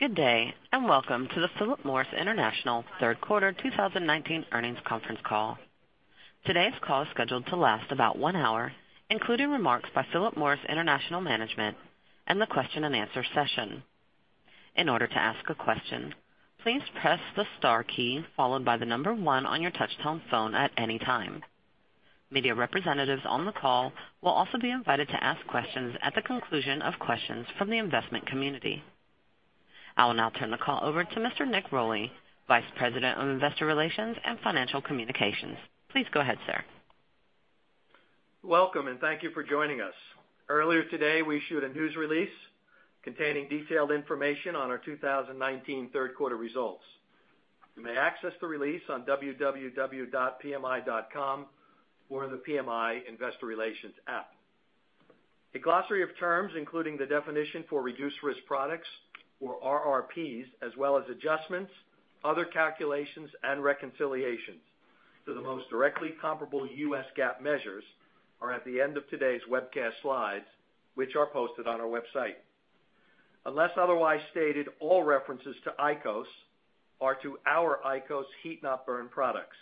Good day, and welcome to the Philip Morris International third quarter 2019 earnings conference call. Today's call is scheduled to last about one hour, including remarks by Philip Morris International Management and the question and answer session. In order to ask a question, please press the star key followed by the number one on your touchtone phone at any time. Media representatives on the call will also be invited to ask questions at the conclusion of questions from the investment community. I will now turn the call over to Mr. Nick Rolli, Vice President of Investor Relations and Financial Communications. Please go ahead, sir. Welcome, and thank you for joining us. Earlier today, we issued a news release containing detailed information on our 2019 third quarter results. You may access the release on www.pmi.com or the PMI Investor Relations app. A glossary of terms, including the definition for Reduced-Risk Products, or RRPs, as well as adjustments, other calculations, and reconciliations to the most directly comparable U.S. GAAP measures are at the end of today's webcast slides, which are posted on our website. Unless otherwise stated, all references to IQOS are to our IQOS Heat-not-burn products.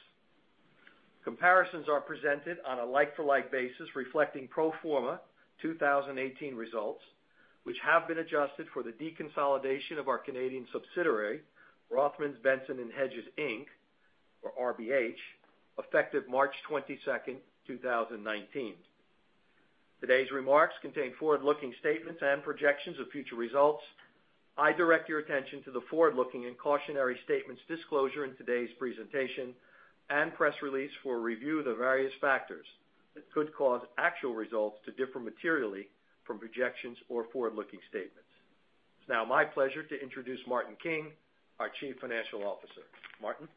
Comparisons are presented on a like-to-like basis reflecting pro forma 2018 results, which have been adjusted for the deconsolidation of our Canadian subsidiary, Rothmans, Benson & Hedges Inc., or RBH, effective March 22nd, 2019. Today's remarks contain forward-looking statements and projections of future results. I direct your attention to the forward-looking and cautionary statements disclosure in today's presentation and press release for a review of the various factors that could cause actual results to differ materially from projections or forward-looking statements. It's now my pleasure to introduce Martin King, our Chief Financial Officer. Martin?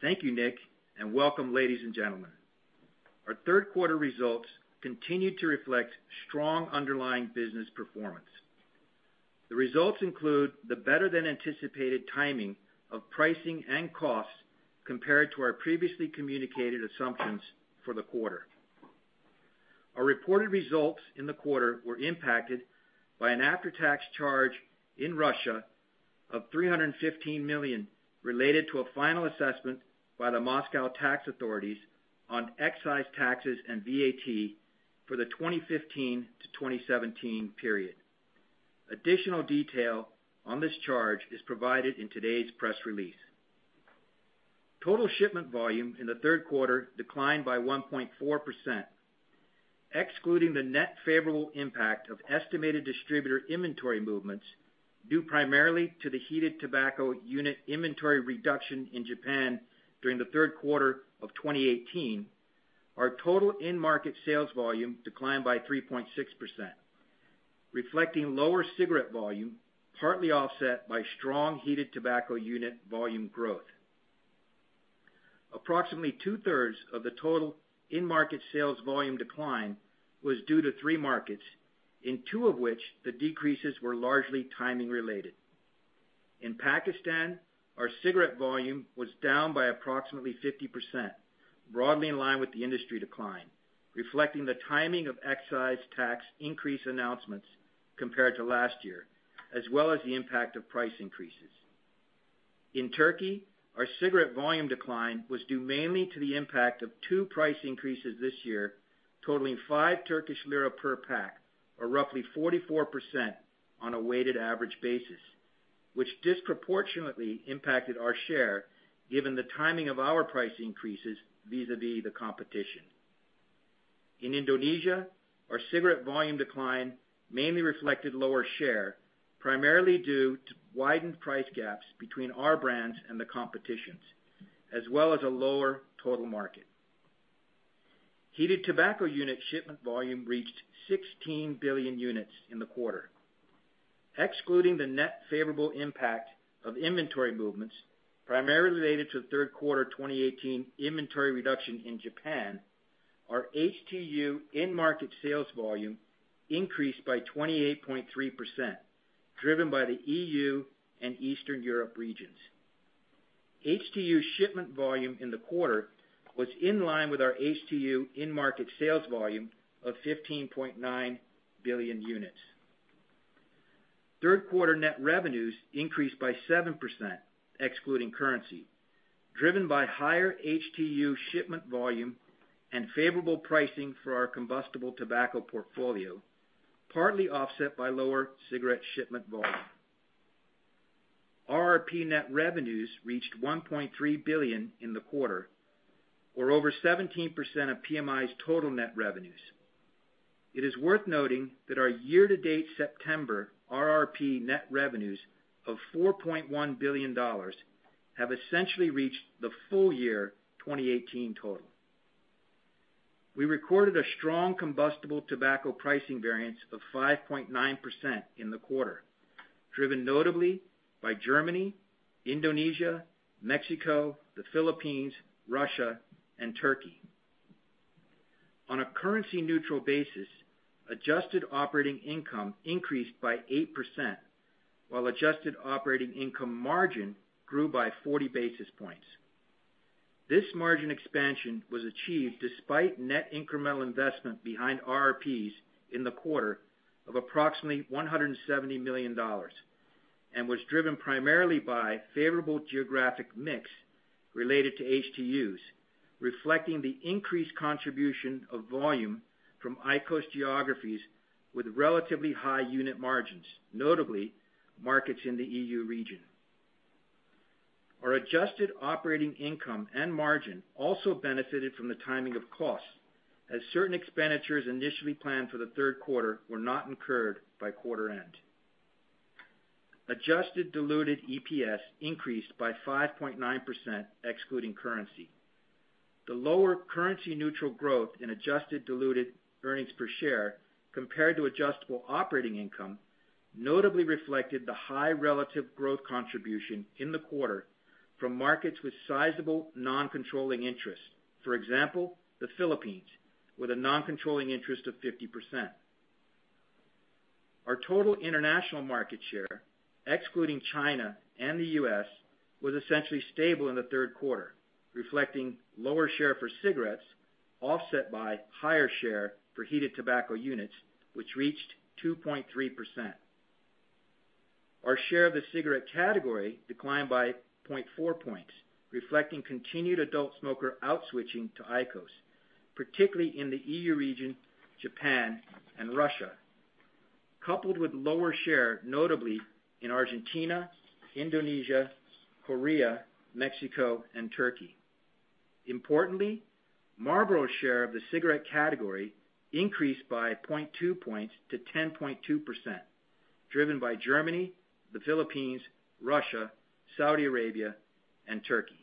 Thank you, Nick, and welcome, ladies and gentlemen. Our third quarter results continue to reflect strong underlying business performance. The results include the better than anticipated timing of pricing and costs compared to our previously communicated assumptions for the quarter. Our reported results in the quarter were impacted by an after-tax charge in Russia of $315 million related to a final assessment by the Moscow tax authorities on excise taxes and VAT for the 2015-2017 period. Additional detail on this charge is provided in today's press release. Total shipment volume in the third quarter declined by 1.4%. Excluding the net favorable impact of estimated distributor inventory movements due primarily to the heated tobacco unit inventory reduction in Japan during the third quarter of 2018, our total in-market sales volume declined by 3.6%, reflecting lower cigarette volume, partly offset by strong heated tobacco unit volume growth. Approximately two-thirds of the total in-market sales volume decline was due to three markets, in two of which, the decreases were largely timing related. In Pakistan, our cigarette volume was down by approximately 50%, broadly in line with the industry decline, reflecting the timing of excise tax increase announcements compared to last year, as well as the impact of price increases. In Turkey, our cigarette volume decline was due mainly to the impact of two price increases this year, totaling 5 Turkish lira per pack, or roughly 44% on a weighted average basis, which disproportionately impacted our share given the timing of our price increases vis-a-vis the competition. In Indonesia, our cigarette volume decline mainly reflected lower share, primarily due to widened price gaps between our brands and the competition's, as well as a lower total market. Heated tobacco unit shipment volume reached 16 billion units in the quarter. Excluding the net favorable impact of inventory movements, primarily related to the third quarter 2018 inventory reduction in Japan, our HTU in-market sales volume increased by 28.3%, driven by the EU and Eastern Europe regions. HTU shipment volume in the quarter was in line with our HTU in-market sales volume of 15.9 billion units. Third-quarter net revenues increased by 7%, excluding currency, driven by higher HTU shipment volume and favorable pricing for our combustible tobacco portfolio, partly offset by lower cigarette shipment volume. RRP net revenues reached $1.3 billion in the quarter or over 17% of PMI's total net revenues. It is worth noting that our year-to-date September RRP net revenues of $4.1 billion have essentially reached the full year 2018 total. We recorded a strong combustible tobacco pricing variance of 5.9% in the quarter, driven notably by Germany, Indonesia, Mexico, the Philippines, Russia, and Turkey. On a currency-neutral basis, adjusted operating income increased by 8%, while adjusted operating income margin grew by 40 basis points. This margin expansion was achieved despite net incremental investment behind RRPs in the quarter of approximately $170 million, and was driven primarily by favorable geographic mix related to HTUs, reflecting the increased contribution of volume from IQOS geographies with relatively high unit margins, notably markets in the EU region. Our adjusted operating income and margin also benefited from the timing of costs, as certain expenditures initially planned for the third quarter were not incurred by quarter end. Adjusted diluted EPS increased by 5.9%, excluding currency. The lower currency-neutral growth in adjusted diluted earnings per share compared to adjustable operating income notably reflected the high relative growth contribution in the quarter from markets with sizable non-controlling interest. For example, the Philippines, with a non-controlling interest of 50%. Our total international market share, excluding China and the U.S., was essentially stable in the third quarter, reflecting lower share for cigarettes offset by higher share for heated tobacco units, which reached 2.3%. Our share of the cigarette category declined by 0.4 points, reflecting continued adult smoker out-switching to IQOS, particularly in the EU region, Japan, and Russia, coupled with lower share, notably in Argentina, Indonesia, Korea, Mexico, and Turkey. Importantly, Marlboro's share of the cigarette category increased by 0.2 points to 10.2%, driven by Germany, the Philippines, Russia, Saudi Arabia, and Turkey.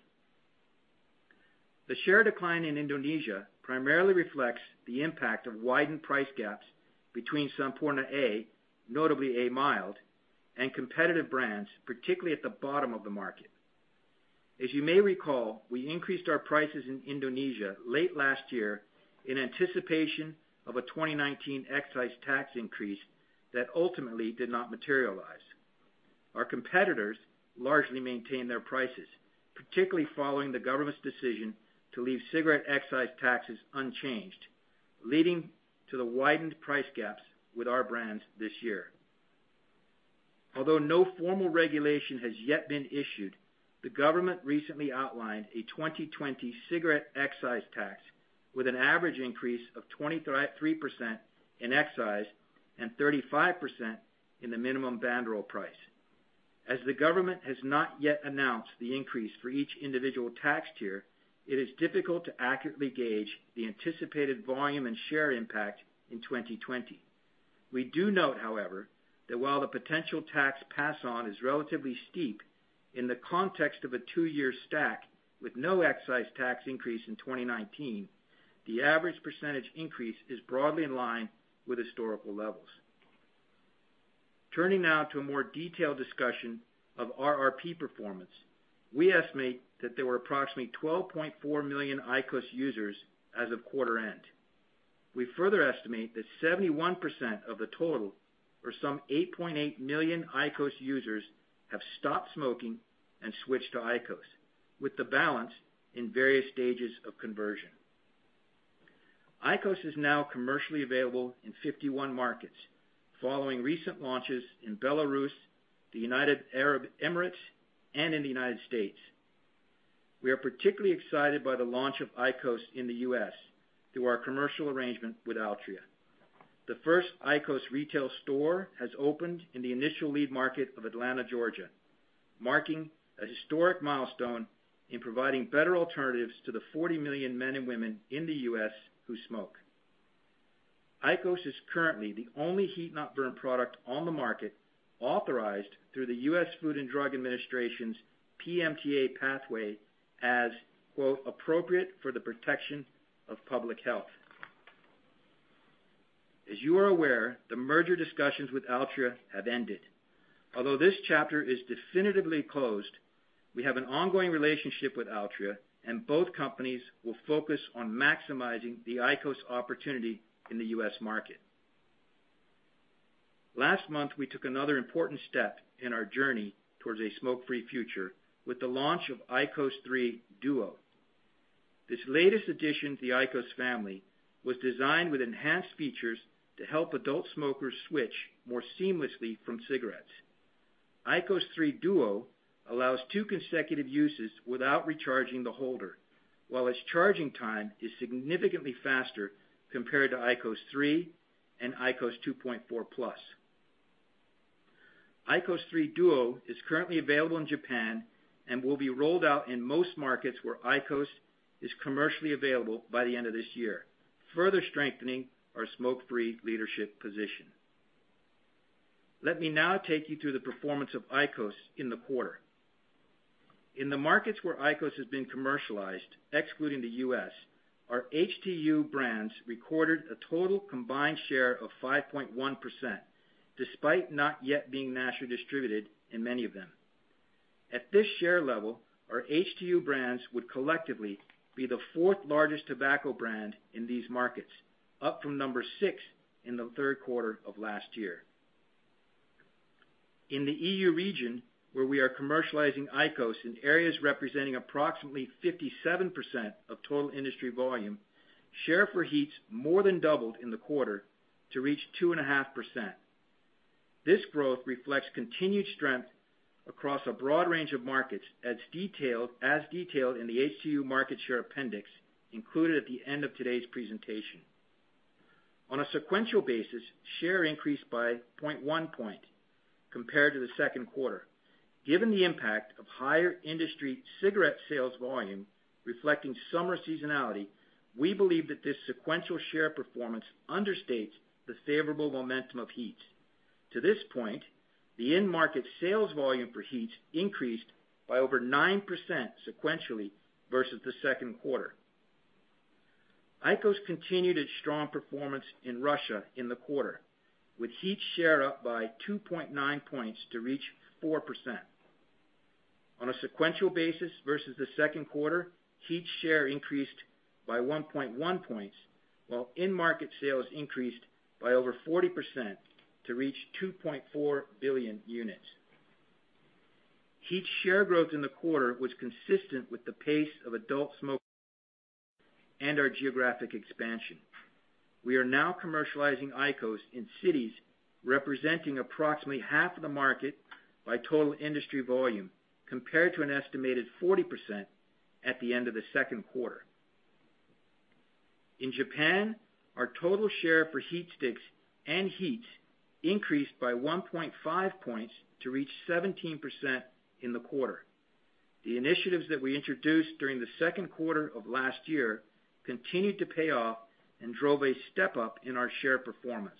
The share decline in Indonesia primarily reflects the impact of widened price gaps between Sampoerna A, notably A Mild, and competitive brands, particularly at the bottom of the market. As you may recall, we increased our prices in Indonesia late last year in anticipation of a 2019 excise tax increase that ultimately did not materialize. Our competitors largely maintained their prices, particularly following the government's decision to leave cigarette excise taxes unchanged, leading to the widened price gaps with our brands this year. Although no formal regulation has yet been issued, the government recently outlined a 2020 cigarette excise tax with an average increase of 23% in excise and 35% in the minimum banderol price. As the government has not yet announced the increase for each individual tax tier, it is difficult to accurately gauge the anticipated volume and share impact in 2020. We do note, however, that while the potential tax pass-on is relatively steep, in the context of a two-year stack with no excise tax increase in 2019, the average percentage increase is broadly in line with historical levels. Turning now to a more detailed discussion of RRP performance. We estimate that there were approximately 12.4 million IQOS users as of quarter end. We further estimate that 71% of the total, or some 8.8 million IQOS users, have stopped smoking and switched to IQOS, with the balance in various stages of conversion. IQOS is now commercially available in 51 markets, following recent launches in Belarus, the United Arab Emirates, and in the United States. We are particularly excited by the launch of IQOS in the U.S. through our commercial arrangement with Altria. The first IQOS retail store has opened in the initial lead market of Atlanta, Georgia, marking a historic milestone in providing better alternatives to the 40 million men and women in the U.S. who smoke. IQOS is currently the only heat-not-burn product on the market authorized through the U.S. Food and Drug Administration's PMTA pathway as, quote, "appropriate for the protection of public health." As you are aware, the merger discussions with Altria have ended. Although this chapter is definitively closed, we have an ongoing relationship with Altria, and both companies will focus on maximizing the IQOS opportunity in the U.S. market. Last month, we took another important step in our journey towards a smoke-free future with the launch of IQOS 3 DUO. This latest addition to the IQOS family was designed with enhanced features to help adult smokers switch more seamlessly from cigarettes. IQOS 3 DUO allows two consecutive uses without recharging the holder, while its charging time is significantly faster compared to IQOS 3 and IQOS 2.4+. IQOS 3 DUO is currently available in Japan and will be rolled out in most markets where IQOS is commercially available by the end of this year, further strengthening our smoke-free leadership position. Let me now take you through the performance of IQOS in the quarter. In the markets where IQOS has been commercialized, excluding the U.S., our HTU brands recorded a total combined share of 5.1%, despite not yet being nationally distributed in many of them. At this share level, our HTU brands would collectively be the fourth-largest tobacco brand in these markets, up from number six in the third quarter of last year. In the EU region, where we are commercializing IQOS in areas representing approximately 57% of total industry volume, share for HEETS more than doubled in the quarter to reach 2.5%. This growth reflects continued strength across a broad range of markets, as detailed in the HTU market share appendix included at the end of today's presentation. On a sequential basis, share increased by 0.1 point compared to the second quarter. Given the impact of higher industry cigarette sales volume reflecting summer seasonality, we believe that this sequential share performance understates the favorable momentum of HEETS. To this point, the end market sales volume for HEETS increased by over 9% sequentially versus the second quarter. IQOS continued its strong performance in Russia in the quarter, with HEETS share up by 2.9 points to reach 4%. On a sequential basis versus the second quarter, HEETS share increased by 1.1 points, while in-market sales increased by over 40% to reach 2.4 billion units. HEETS share growth in the quarter was consistent with the pace of adult smoker and our geographic expansion. We are now commercializing IQOS in cities representing approximately half of the market by total industry volume, compared to an estimated 40% at the end of the second quarter. In Japan, our total share for HeatSticks and HEETS increased by 1.5 points to reach 17% in the quarter. The initiatives that we introduced during the second quarter of last year continued to pay off and drove a step up in our share performance.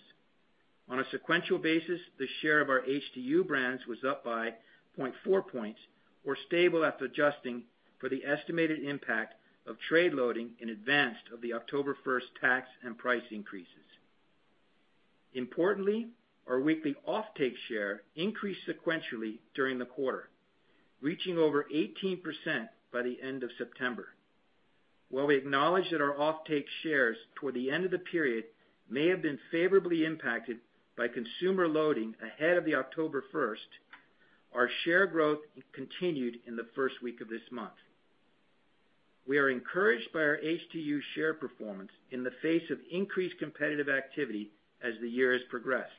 On a sequential basis, the share of our HTU brands was up by 0.4 points or stable after adjusting for the estimated impact of trade loading in advance of the October 1st tax and price increases. Importantly, our weekly off-take share increased sequentially during the quarter, reaching over 18% by the end of September. While we acknowledge that our off-take shares toward the end of the period may have been favorably impacted by consumer loading ahead of the October 1st, our share growth continued in the first week of this month. We are encouraged by our HTU share performance in the face of increased competitive activity as the year has progressed.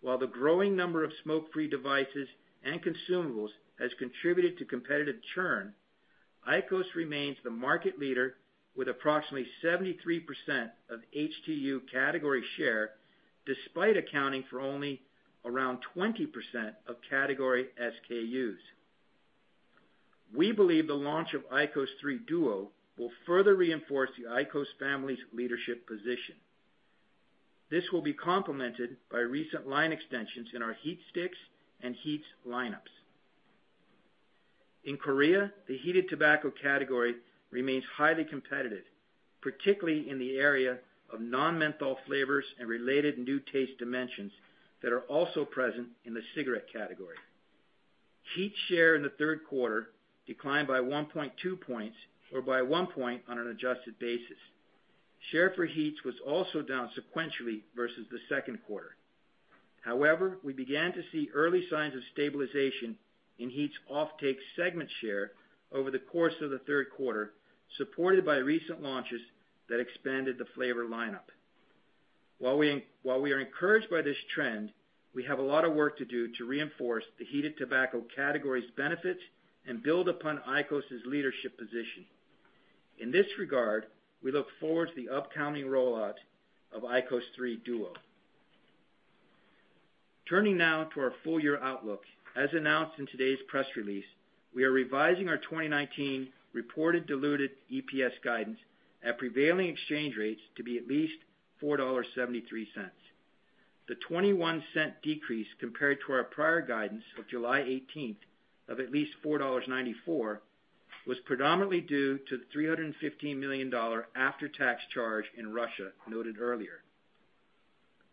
While the growing number of smoke-free devices and consumables has contributed to competitive churn, IQOS remains the market leader with approximately 73% of HTU category share, despite accounting for only around 20% of category SKU. We believe the launch of IQOS DUO will further reinforce the IQOS family's leadership position. This will be complemented by recent line extensions in our HeatSticks and HEETS lineups. In Korea, the heated tobacco category remains highly competitive, particularly in the area of non-menthol flavors and related new taste dimensions that are also present in the cigarette category. HEETS share in the third quarter declined by 1.2 points or by 1 point on an adjusted basis. Share for HEETS was also down sequentially versus the second quarter. However, we began to see early signs of stabilization in HEETS off-take segment share over the course of the third quarter, supported by recent launches that expanded the flavor lineup. While we are encouraged by this trend, we have a lot of work to do to reinforce the heated tobacco category's benefits and build upon IQOS' leadership position. In this regard, we look forward to the upcoming rollout of IQOS DUO. Turning now to our full-year outlook. As announced in today's press release, we are revising our 2019 reported diluted EPS guidance at prevailing exchange rates to be at least $4.73. The $0.21 decrease compared to our prior guidance of July 18th of at least $4.94, was predominantly due to the $315 million after-tax charge in Russia noted earlier.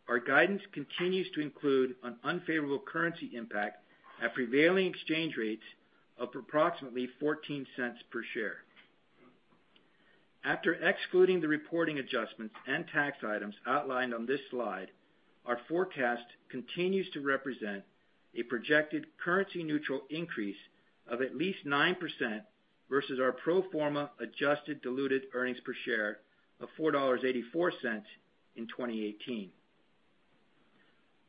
Our guidance continues to include an unfavorable currency impact at prevailing exchange rates of approximately $0.14 per share. After excluding the reporting adjustments and tax items outlined on this slide, our forecast continues to represent a projected currency-neutral increase of at least 9% versus our pro forma adjusted diluted earnings per share of $4.84 in 2018.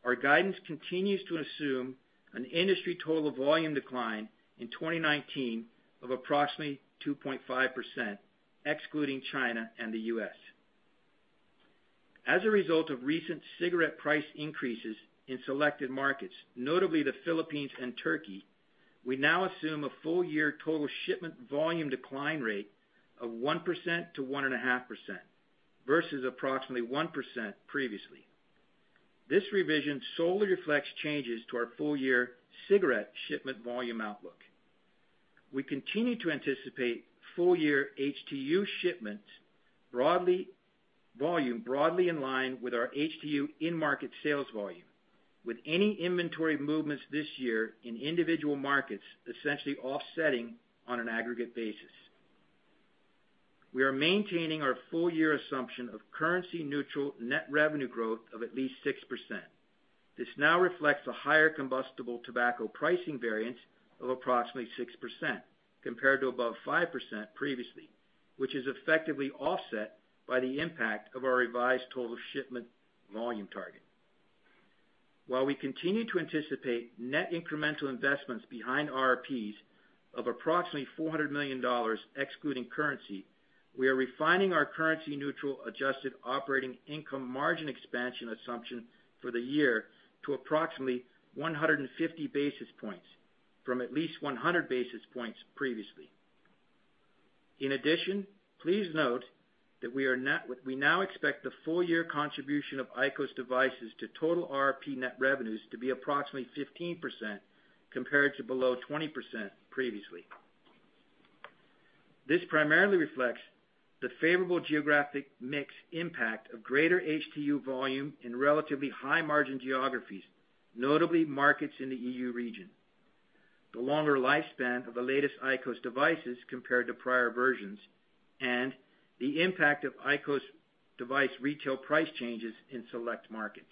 Our guidance continues to assume an industry total volume decline in 2019 of approximately 2.5%, excluding China and the U.S. As a result of recent cigarette price increases in selected markets, notably the Philippines and Turkey, we now assume a full-year total shipment volume decline rate of 1% to 1.5% versus approximately 1% previously. This revision solely reflects changes to our full-year cigarette shipment volume outlook. We continue to anticipate full-year HTU volume broadly in line with our HTU in-market sales volume, with any inventory movements this year in individual markets essentially offsetting on an aggregate basis. We are maintaining our full-year assumption of currency neutral net revenue growth of at least 6%. This now reflects a higher combustible tobacco pricing variance of approximately 6% compared to above 5% previously, which is effectively offset by the impact of our revised total shipment volume target. While we continue to anticipate net incremental investments behind RRPs of approximately $400 million excluding currency, we are refining our currency neutral adjusted operating income margin expansion assumption for the year to approximately 150 basis points, from at least 100 basis points previously. In addition, please note that we now expect the full year contribution of IQOS devices to total RRP net revenues to be approximately 15%, compared to below 20% previously. This primarily reflects the favorable geographic mix impact of greater HTU volume in relatively high margin geographies, notably markets in the EU region. The longer lifespan of the latest IQOS devices compared to prior versions, and the impact of IQOS device retail price changes in select markets.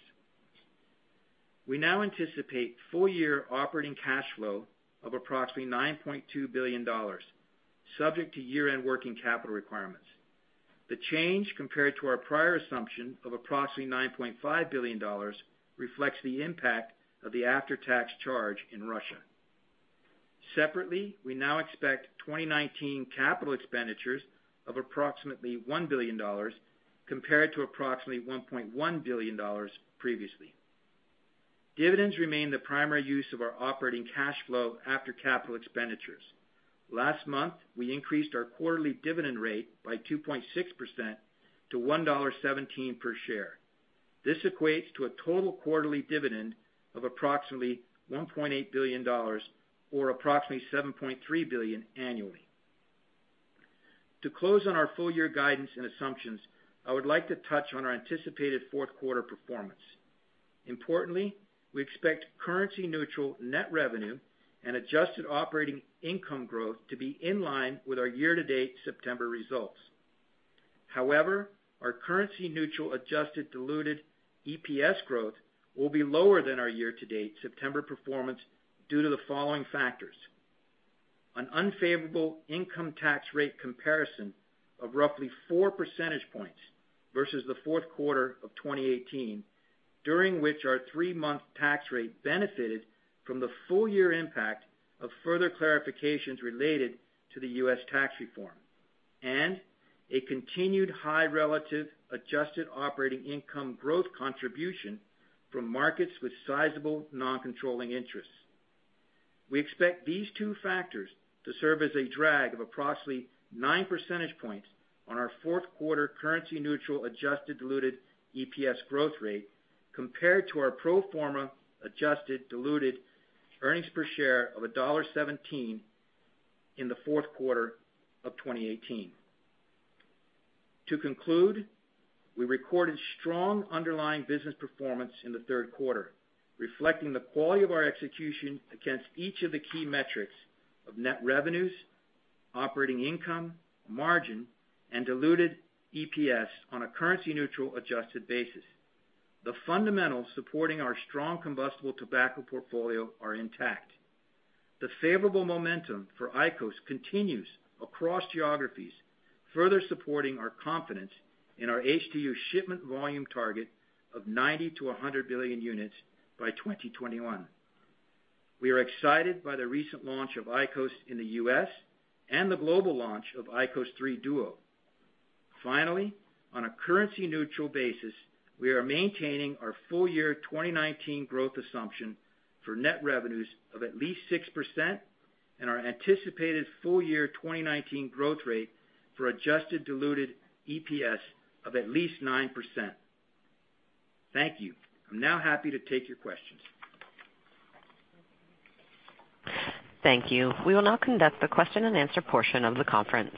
We now anticipate full year operating cash flow of approximately $9.2 billion, subject to year-end working capital requirements. The change compared to our prior assumption of approximately $9.5 billion reflects the impact of the after-tax charge in Russia. Separately, we now expect 2019 capital expenditures of approximately $1 billion compared to approximately $1.1 billion previously. Dividends remain the primary use of our operating cash flow after capital expenditures. Last month, we increased our quarterly dividend rate by 2.6% to $1.17 per share. This equates to a total quarterly dividend of approximately $1.8 billion or approximately $7.3 billion annually. To close on our full year guidance and assumptions, I would like to touch on our anticipated fourth quarter performance. Importantly, we expect currency neutral net revenue and adjusted operating income growth to be in line with our year to date September results. Our currency neutral adjusted diluted EPS growth will be lower than our year to date September performance due to the following factors. An unfavorable income tax rate comparison of roughly four percentage points versus the fourth quarter of 2018, during which our three-month tax rate benefited from the full year impact of further clarifications related to the U.S. tax reform, and a continued high relative adjusted operating income growth contribution from markets with sizable non-controlling interests. We expect these two factors to serve as a drag of approximately nine percentage points on our fourth quarter currency neutral adjusted diluted EPS growth rate compared to our pro forma adjusted diluted earnings per share of $1.17 in the fourth quarter of 2018. To conclude, we recorded strong underlying business performance in the third quarter, reflecting the quality of our execution against each of the key metrics of net revenues, operating income, margin, and diluted EPS on a currency neutral adjusted basis. The fundamentals supporting our strong combustible tobacco portfolio are intact. The favorable momentum for IQOS continues across geographies, further supporting our confidence in our HTU shipment volume target of 90 to 100 billion units by 2021. We are excited by the recent launch of IQOS in the U.S. and the global launch of IQOS 3 DUO. Finally, on a currency neutral basis, we are maintaining our full year 2019 growth assumption for net revenues of at least 6% and our anticipated full year 2019 growth rate for adjusted diluted EPS of at least 9%. Thank you. I'm now happy to take your questions. Thank you. We will now conduct the question and answer portion of the conference.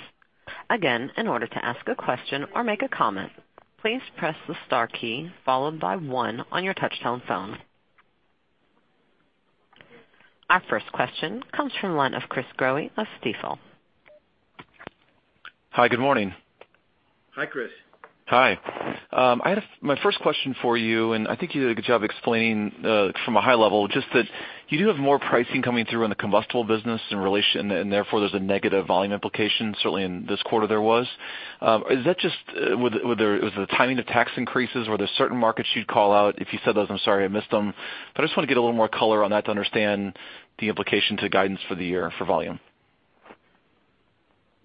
Again, in order to ask a question or make a comment, please press the star key followed by one on your touchtone phone. Our first question comes from the line of Chris Growe of Stifel. Hi, good morning. Hi, Chris. Hi. My first question for you, and I think you did a good job explaining from a high level, just that you do have more pricing coming through in the combustible business and therefore there's a negative volume implication. Certainly in this quarter there was. Is the timing of tax increases, or are there certain markets you'd call out? If you said those, I'm sorry I missed them. I just want to get a little more color on that to understand the implication to guidance for the year for volume.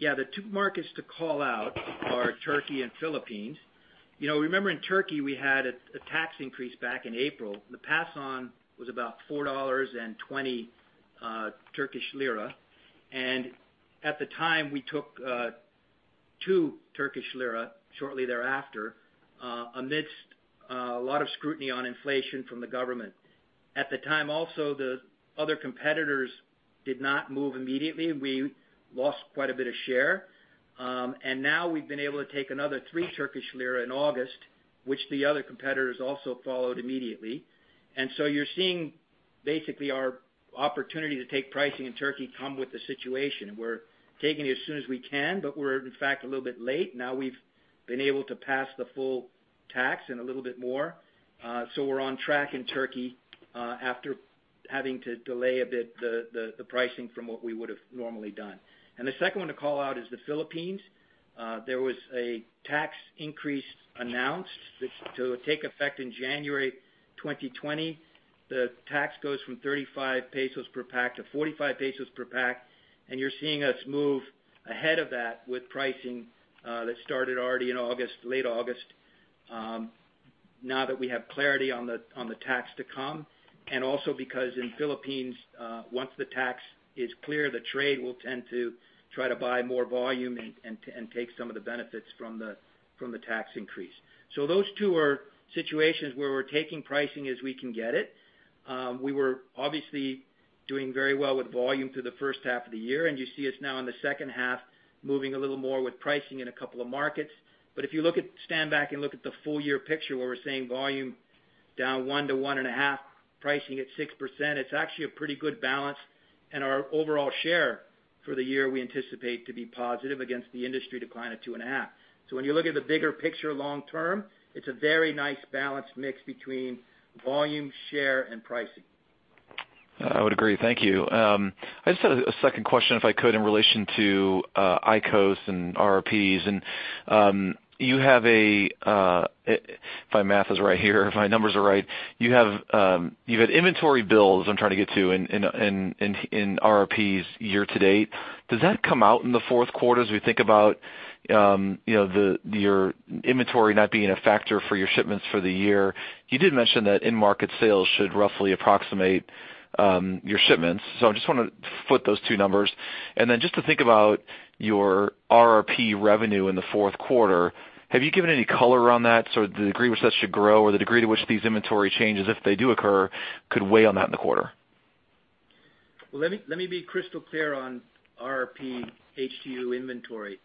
Yeah, the two markets to call out are Turkey and Philippines. Remember in Turkey we had a tax increase back in April. The pass-on was about 4.20 Turkish lira, and at the time we took 2 Turkish lira shortly thereafter amidst a lot of scrutiny on inflation from the government. At the time also, the other competitors did not move immediately. We lost quite a bit of share. Now we've been able to take another 3 Turkish lira in August, which the other competitors also followed immediately. You're seeingBasically, our opportunity to take pricing in Turkey come with the situation. We're taking it as soon as we can, but we're, in fact, a little bit late. Now we've been able to pass the full tax and a little bit more. We're on track in Turkey after having to delay a bit the pricing from what we would've normally done. The second one to call out is the Philippines. There was a tax increase announced to take effect in January 2020. The tax goes from 35 pesos per pack to 45 pesos per pack, and you're seeing us move ahead of that with pricing that started already in late August. Now that we have clarity on the tax to come, and also because in Philippines, once the tax is clear, the trade will tend to try to buy more volume and take some of the benefits from the tax increase. Those two are situations where we're taking pricing as we can get it. We were obviously doing very well with volume through the first half of the year, and you see us now in the second half, moving a little more with pricing in a couple of markets. If you stand back and look at the full year picture where we're seeing volume down 1% to 1.5%, pricing at 6%, it's actually a pretty good balance, and our overall share for the year, we anticipate to be positive against the industry decline of 2.5%. When you look at the bigger picture long term, it's a very nice balanced mix between volume, share, and pricing. I would agree. Thank you. I just had a second question, if I could, in relation to IQOS and RRPs. If my math is right here, if my numbers are right, you've had inventory builds, I'm trying to get to, in RRPs year to date. Does that come out in the fourth quarter as we think about your inventory not being a factor for your shipments for the year? You did mention that end market sales should roughly approximate your shipments. I just want to foot those two numbers. Just to think about your RRP revenue in the fourth quarter, have you given any color around that? The degree to which that should grow or the degree to which these inventory changes, if they do occur, could weigh on that in the quarter. Let me be crystal clear on RRP HTU inventory.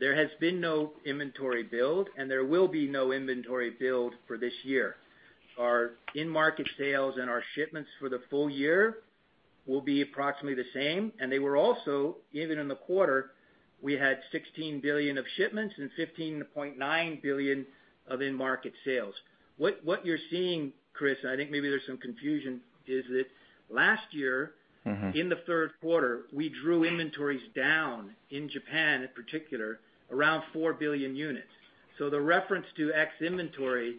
There has been no inventory build, and there will be no inventory build for this year. Our in-market sales and our shipments for the full year will be approximately the same. They were also, even in the quarter, we had $16 billion of shipments and $15.9 billion of in-market sales. What you're seeing, Chris, I think maybe there's some confusion, is that last year. in the third quarter, we drew inventories down in Japan in particular, around 4 billion units. The reference to X inventory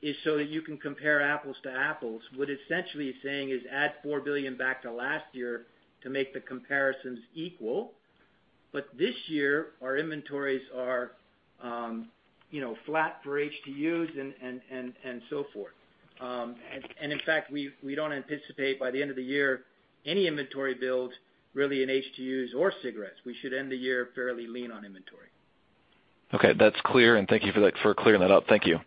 is so that you can compare apples to apples. What essentially it's saying is add 4 billion back to last year to make the comparisons equal. This year, our inventories are flat for HTUs and so forth. In fact, we don't anticipate by the end of the year any inventory build really in HTUs or cigarettes. We should end the year fairly lean on inventory. Okay. That's clear, and thank you for clearing that up. Thank you.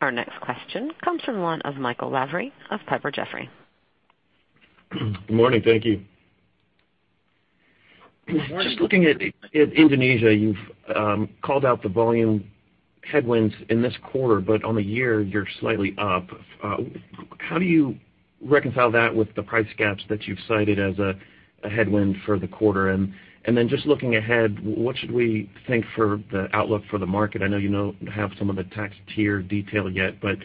Our next question comes from the line of Michael Lavery of Piper Jaffray. Good morning. Thank you. Good morning. Just looking at Indonesia, you've called out the volume headwinds in this quarter, but on the year, you're slightly up. How do you reconcile that with the price gaps that you've cited as a headwind for the quarter? Then just looking ahead, what should we think for the outlook for the market? I know you don't have some of the tax tier detail yet, but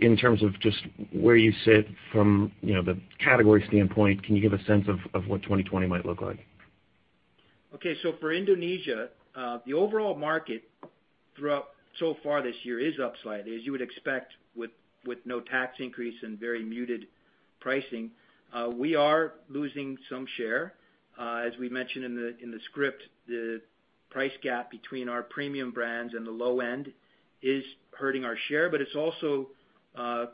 in terms of just where you sit from the category standpoint, can you give a sense of what 2020 might look like? Okay. For Indonesia, the overall market so far this year is up slightly, as you would expect with no tax increase and very muted pricing. We are losing some share. As we mentioned in the script, the price gap between our premium brands and the low end is hurting our share, but it's also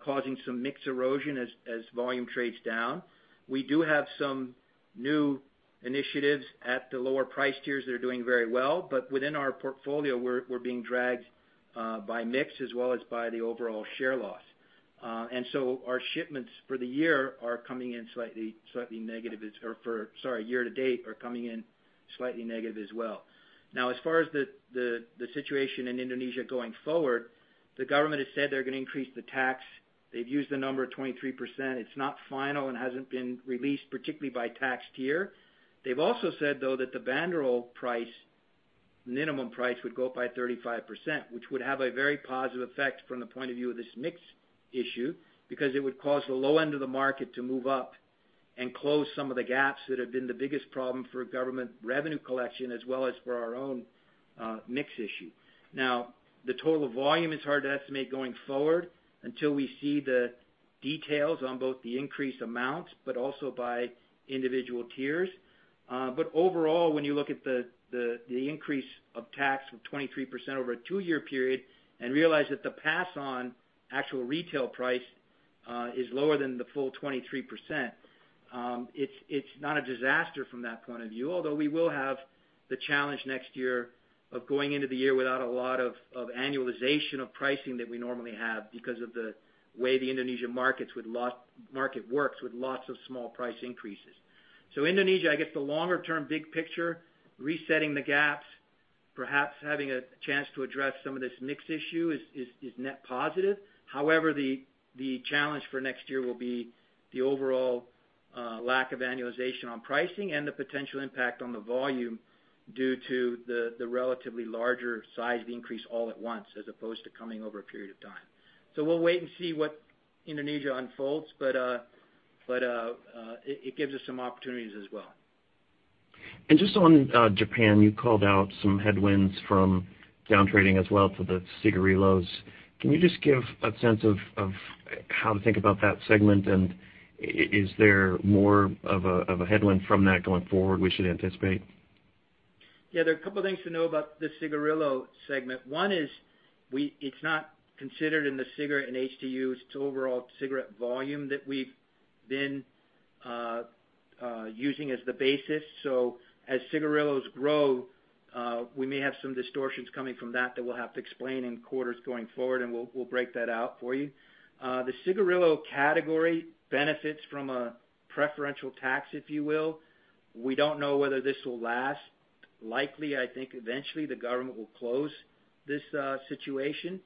causing some mix erosion as volume trades down. We do have some new initiatives at the lower price tiers that are doing very well, but within our portfolio, we're being dragged by mix as well as by the overall share loss. Our shipments for the year are coming in slightly negative, or sorry, year to date are coming in slightly negative as well. As far as the situation in Indonesia going forward, the government has said they're going to increase the tax. They've used the number 23%. It's not final and hasn't been released, particularly by tax tier. They've also said, though, that the banderol price, minimum price would go up by 35%, which would have a very positive effect from the point of view of this mix issue, because it would cause the low end of the market to move up and close some of the gaps that have been the biggest problem for government revenue collection, as well as for our own mix issue. The total volume is hard to estimate going forward until we see the details on both the increased amounts, but also by individual tiers. Overall, when you look at the increase of tax of 23% over a two-year period and realize that the pass-on actual retail price is lower than the full 23%, it's not a disaster from that point of view. Although we will have the challenge next year of going into the year without a lot of annualization of pricing that we normally have because of the way the Indonesia market works with lots of small price increases. Indonesia, I guess the longer term big picture, resetting the gaps. Perhaps having a chance to address some of this mix issue is net positive. However, the challenge for next year will be the overall lack of annualization on pricing and the potential impact on the volume due to the relatively larger size of the increase all at once, as opposed to coming over a period of time. We'll wait and see what Indonesia unfolds, but it gives us some opportunities as well. Just on Japan, you called out some headwinds from down trading as well for the cigarillos. Can you just give a sense of how to think about that segment? Is there more of a headwind from that going forward we should anticipate? Yeah, there are a couple things to know about the cigarillo segment. One is it's not considered in the cigarette and HTUs, it's overall cigarette volume that we've been using as the basis. As cigarillos grow, we may have some distortions coming from that we'll have to explain in quarters going forward, and we'll break that out for you. The cigarillo category benefits from a preferential tax, if you will. We don't know whether this will last. Likely, I think eventually the government will close this situation.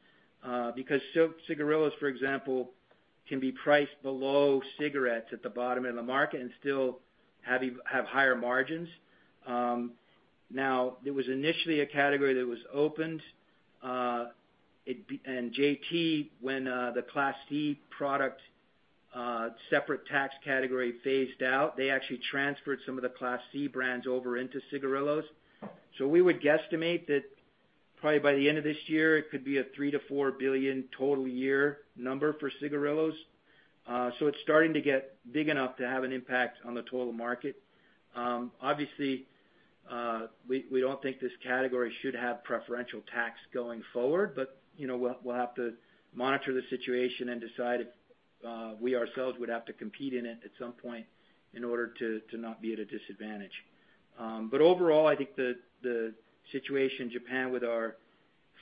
Because cigarillos, for example, can be priced below cigarettes at the bottom end of the market and still have higher margins. It was initially a category that was opened, and JT, when the Class C product separate tax category phased out, they actually transferred some of the Class C brands over into cigarillos. We would guesstimate that probably by the end of this year, it could be a $3 billion-$4 billion total year number for cigarillos. We don't think this category should have preferential tax going forward, but we'll have to monitor the situation and decide if we ourselves would have to compete in it at some point in order to not be at a disadvantage. Overall, I think the situation in Japan with our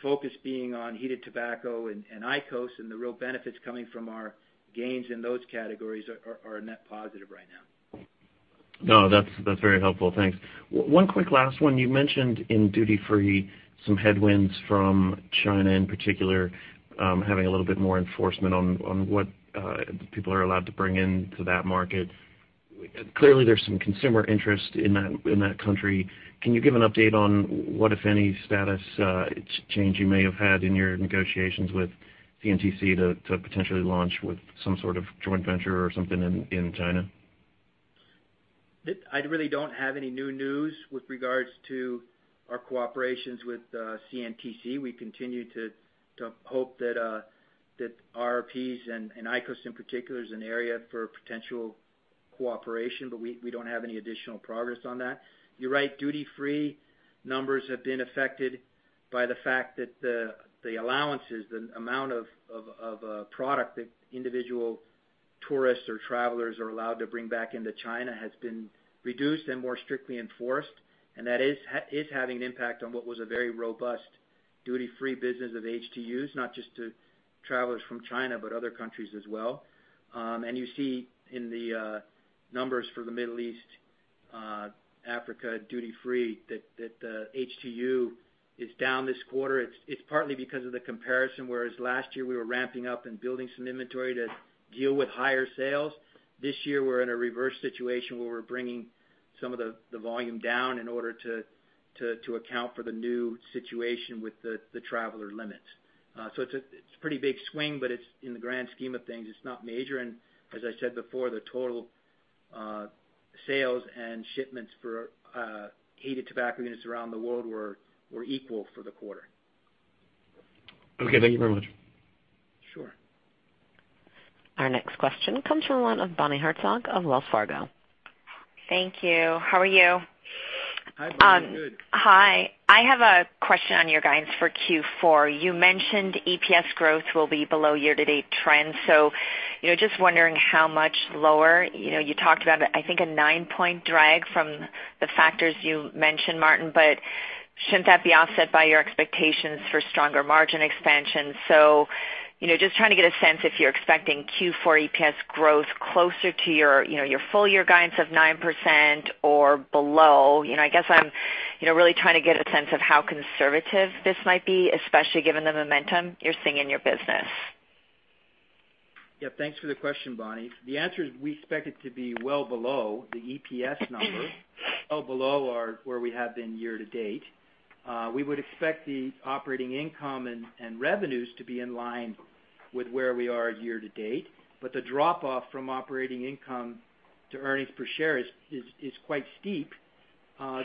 focus being on heated tobacco and IQOS and the real benefits coming from our gains in those categories are a net positive right now. No, that's very helpful. Thanks. One quick last one. You mentioned in duty free some headwinds from China in particular, having a little bit more enforcement on what people are allowed to bring into that market. Clearly, there's some consumer interest in that country. Can you give an update on what, if any, status change you may have had in your negotiations with CNTC to potentially launch with some sort of joint venture or something in China? I really don't have any new news with regards to our cooperations with CNTC. We continue to hope that RRPs and IQOS in particular is an area for potential cooperation, but we don't have any additional progress on that. You're right, duty free numbers have been affected by the fact that the allowances, the amount of product that individual tourists or travelers are allowed to bring back into China has been reduced and more strictly enforced, and that is having an impact on what was a very robust duty free business of HTUs, not just to travelers from China, but other countries as well. You see in the numbers for the Middle East, Africa duty free, that the HTU is down this quarter. It's partly because of the comparison, whereas last year we were ramping up and building some inventory to deal with higher sales. This year we're in a reverse situation where we're bringing some of the volume down in order to account for the new situation with the traveler limits. It's a pretty big swing, but in the grand scheme of things, it's not major. As I said before, the total sales and shipments for heated tobacco units around the world were equal for the quarter. Okay, thank you very much. Sure. Our next question comes from the line of Bonnie Herzog of Wells Fargo. Thank you. How are you? Hi, Bonnie. Good. Hi. I have a question on your guidance for Q4. You mentioned EPS growth will be below year-to-date trends. Just wondering how much lower. You talked about, I think, a nine-point drag from the factors you mentioned, Martin, shouldn't that be offset by your expectations for stronger margin expansion? Just trying to get a sense if you're expecting Q4 EPS growth closer to your full year guidance of 9% or below. I guess I'm really trying to get a sense of how conservative this might be, especially given the momentum you're seeing in your business. Yeah. Thanks for the question, Bonnie. The answer is we expect it to be well below the EPS number, well below where we have been year to date. We would expect the operating income and revenues to be in line with where we are year to date, but the drop-off from operating income to earnings per share is quite steep,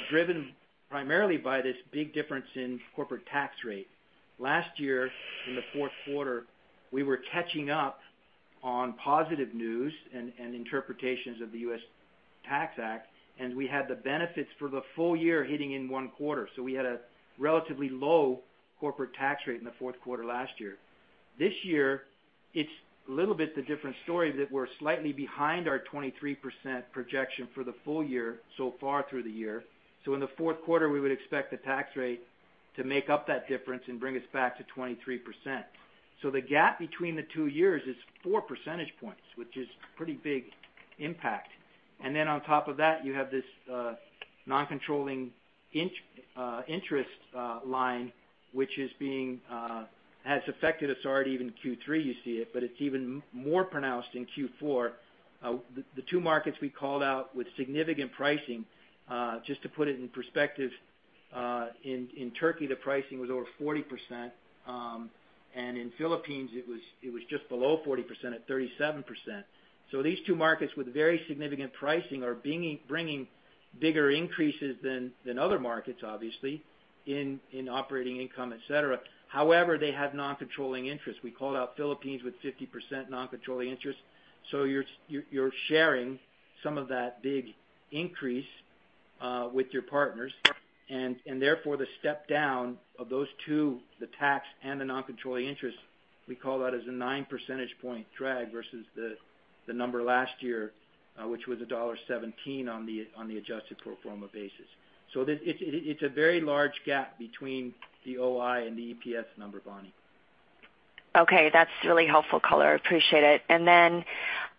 driven primarily by this big difference in corporate tax rate. Last year in the fourth quarter, we were catching up on positive news and interpretations of the U.S. Tax Act, and we had the benefits for the full year hitting in one quarter. We had a relatively low corporate tax rate in the fourth quarter last year. This year, it's a little bit of a different story that we're slightly behind our 23% projection for the full year so far through the year. In the fourth quarter, we would expect the tax rate to make up that difference and bring us back to 23%. The gap between the two years is four percentage points, which is a pretty big impact. On top of that, you have this non-controlling interest line, which has affected us already even in Q3, you see it, but it's even more pronounced in Q4. The two markets we called out with significant pricing, just to put it in perspective, in Turkey, the pricing was over 40%, and in Philippines, it was just below 40% at 37%. These two markets with very significant pricing are bringing bigger increases than other markets, obviously, in operating income, et cetera. However, they have non-controlling interest. We called out Philippines with 50% non-controlling interest. You're sharing some of that big increase with your partners. The step down of those two, the tax and the non-controlling interest, we call that as a nine percentage point drag versus the number last year, which was $1.17 on the adjusted pro forma basis. It's a very large gap between the OI and the EPS number, Bonnie. That's really helpful color. Appreciate it. I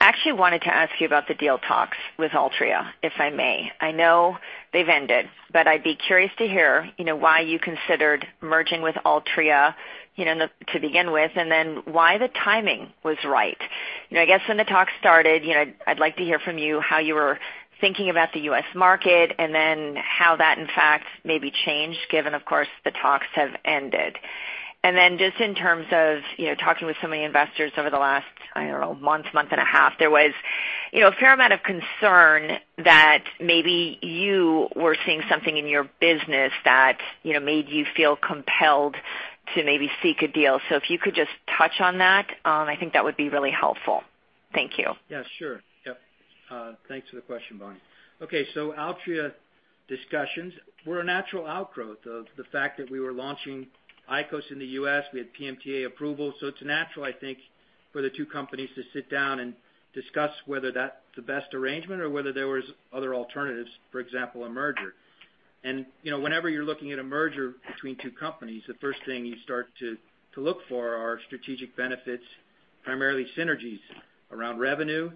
actually wanted to ask you about the deal talks with Altria, if I may. I know they've ended, I'd be curious to hear why you considered merging with Altria to begin with, why the timing was right. I guess when the talks started, I'd like to hear from you how you were thinking about the U.S. market, how that, in fact, maybe changed given, of course, the talks have ended. Just in terms of talking with so many investors over the last, I don't know, month and a half, there was a fair amount of concern that maybe you were seeing something in your business that made you feel compelled to maybe seek a deal. If you could just touch on that, I think that would be really helpful. Thank you. Yeah, sure. Yep. Thanks for the question, Bonnie. Okay, Altria discussions were a natural outgrowth of the fact that we were launching IQOS in the U.S. We had PMTA approval. It's natural, I think, for the two companies to sit down and discuss whether that's the best arrangement or whether there was other alternatives, for example, a merger. Whenever you're looking at a merger between two companies, the first thing you start to look for are strategic benefits, primarily synergies around revenue.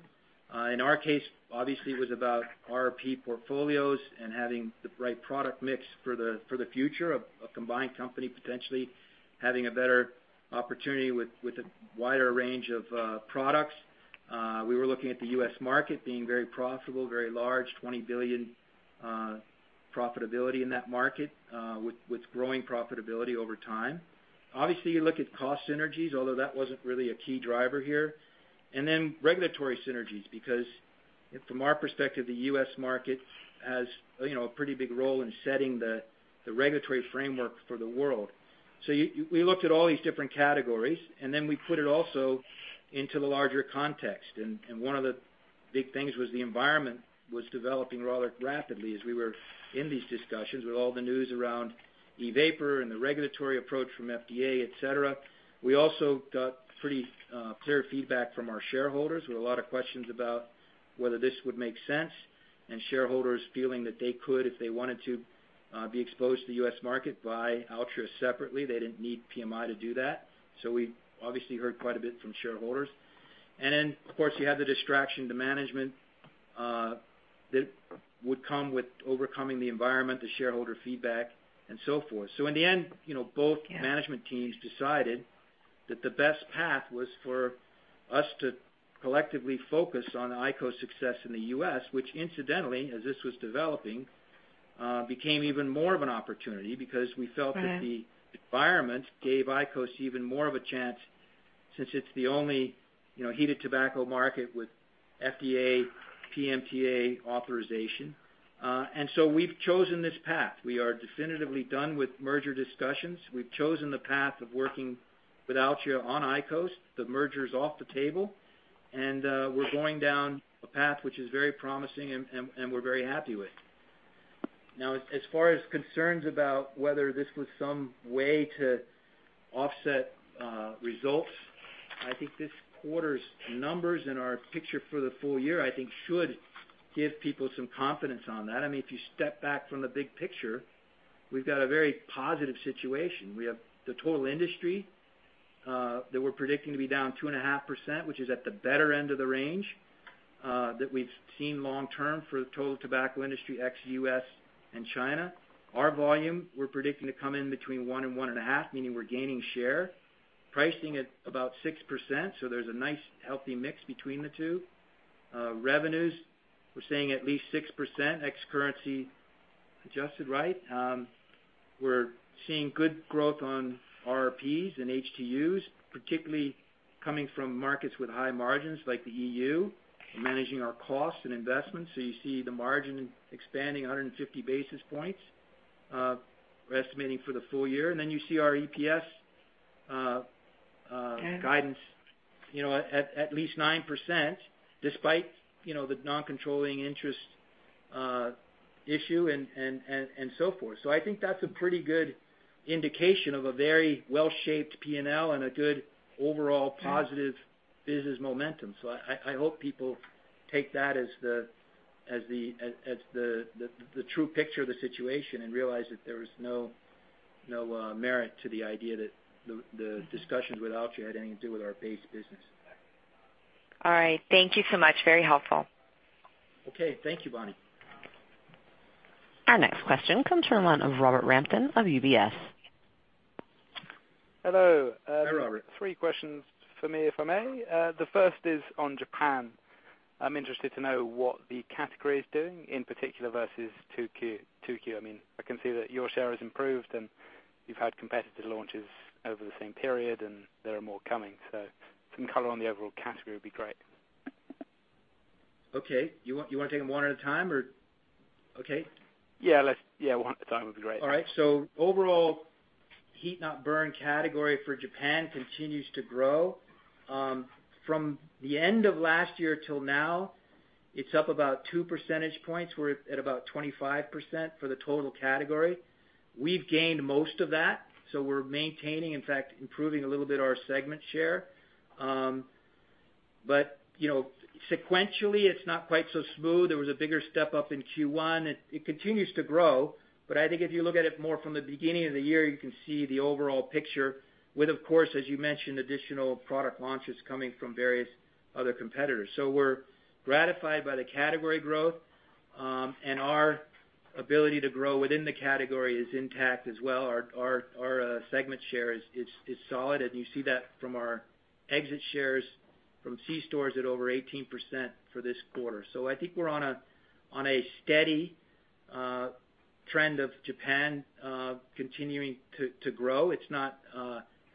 In our case, obviously, it was about RRP portfolios and having the right product mix for the future of a combined company, potentially having a better opportunity with a wider range of products. We were looking at the U.S. market being very profitable, very large, $20 billion profitability in that market, with growing profitability over time. Obviously, you look at cost synergies, although that wasn't really a key driver here. Then regulatory synergies, because from our perspective, the U.S. market has a pretty big role in setting the regulatory framework for the world. We looked at all these different categories, and then we put it also into the larger context. One of the big things was the environment was developing rather rapidly as we were in these discussions with all the news around e-vapor and the regulatory approach from FDA, et cetera. We also got pretty clear feedback from our shareholders with a lot of questions about whether this would make sense, and shareholders feeling that they could, if they wanted to be exposed to the U.S. market, buy Altria separately. They didn't need PMI to do that. We obviously heard quite a bit from shareholders. Of course, you had the distraction to management that would come with overcoming the environment, the shareholder feedback, and so forth. In the end, both management teams decided that the best path was for us to collectively focus on IQOS success in the U.S., which incidentally, as this was developing, became even more of an opportunity because we felt that the environment gave IQOS even more of a chance since it's the only heated tobacco market with FDA PMTA authorization. We've chosen this path. We are definitively done with merger discussions. We've chosen the path of working with Altria on IQOS. The merger's off the table, and we're going down a path which is very promising and we're very happy with. As far as concerns about whether this was some way to offset results, I think this quarter's numbers and our picture for the full year, I think, should give people some confidence on that. If you step back from the big picture, we've got a very positive situation. We have the total industry that we're predicting to be down 2.5%, which is at the better end of the range that we've seen long term for the total tobacco industry, ex-U.S. and China. Our volume, we're predicting to come in between one and one and a half, meaning we're gaining share. Pricing at about 6%, there's a nice healthy mix between the two. Revenues, we're saying at least 6% ex-currency adjusted. We're seeing good growth on RRPs and HTUs, particularly coming from markets with high margins like the EU. We're managing our costs and investments, so you see the margin expanding 150 basis points. We're estimating for the full year. You see our EPS guidance at least 9%, despite the non-controlling interest issue and so forth. I think that's a pretty good indication of a very well-shaped P&L and a good overall positive business momentum. I hope people take that as the true picture of the situation and realize that there is no merit to the idea that the discussions with Altria had anything to do with our base business. All right. Thank you so much. Very helpful. Okay. Thank you, Bonnie. Our next question comes from one of Robert Rampton of UBS. Hello. Hi, Robert. Three questions from me, if I may. The first is on Japan. I'm interested to know what the category is doing, in particular versus 2Q. I can see that your share has improved, and you've had competitive launches over the same period, and there are more coming. Some color on the overall category would be great. Okay. You want to take them one at a time or Okay? Yeah. One at a time would be great. All right. Overall Heat-not-burn category for Japan continues to grow. From the end of last year till now, it's up about two percentage points. We're at about 25% for the total category. We've gained most of that, we're maintaining, in fact, improving a little bit our segment share. Sequentially, it's not quite so smooth. There was a bigger step up in Q1, it continues to grow. I think if you look at it more from the beginning of the year, you can see the overall picture with, of course, as you mentioned, additional product launches coming from various other competitors. We're gratified by the category growth, our ability to grow within the category is intact as well. Our segment share is solid, you see that from our exit shares from C stores at over 18% for this quarter. I think we're on a steady trend of Japan continuing to grow. It's not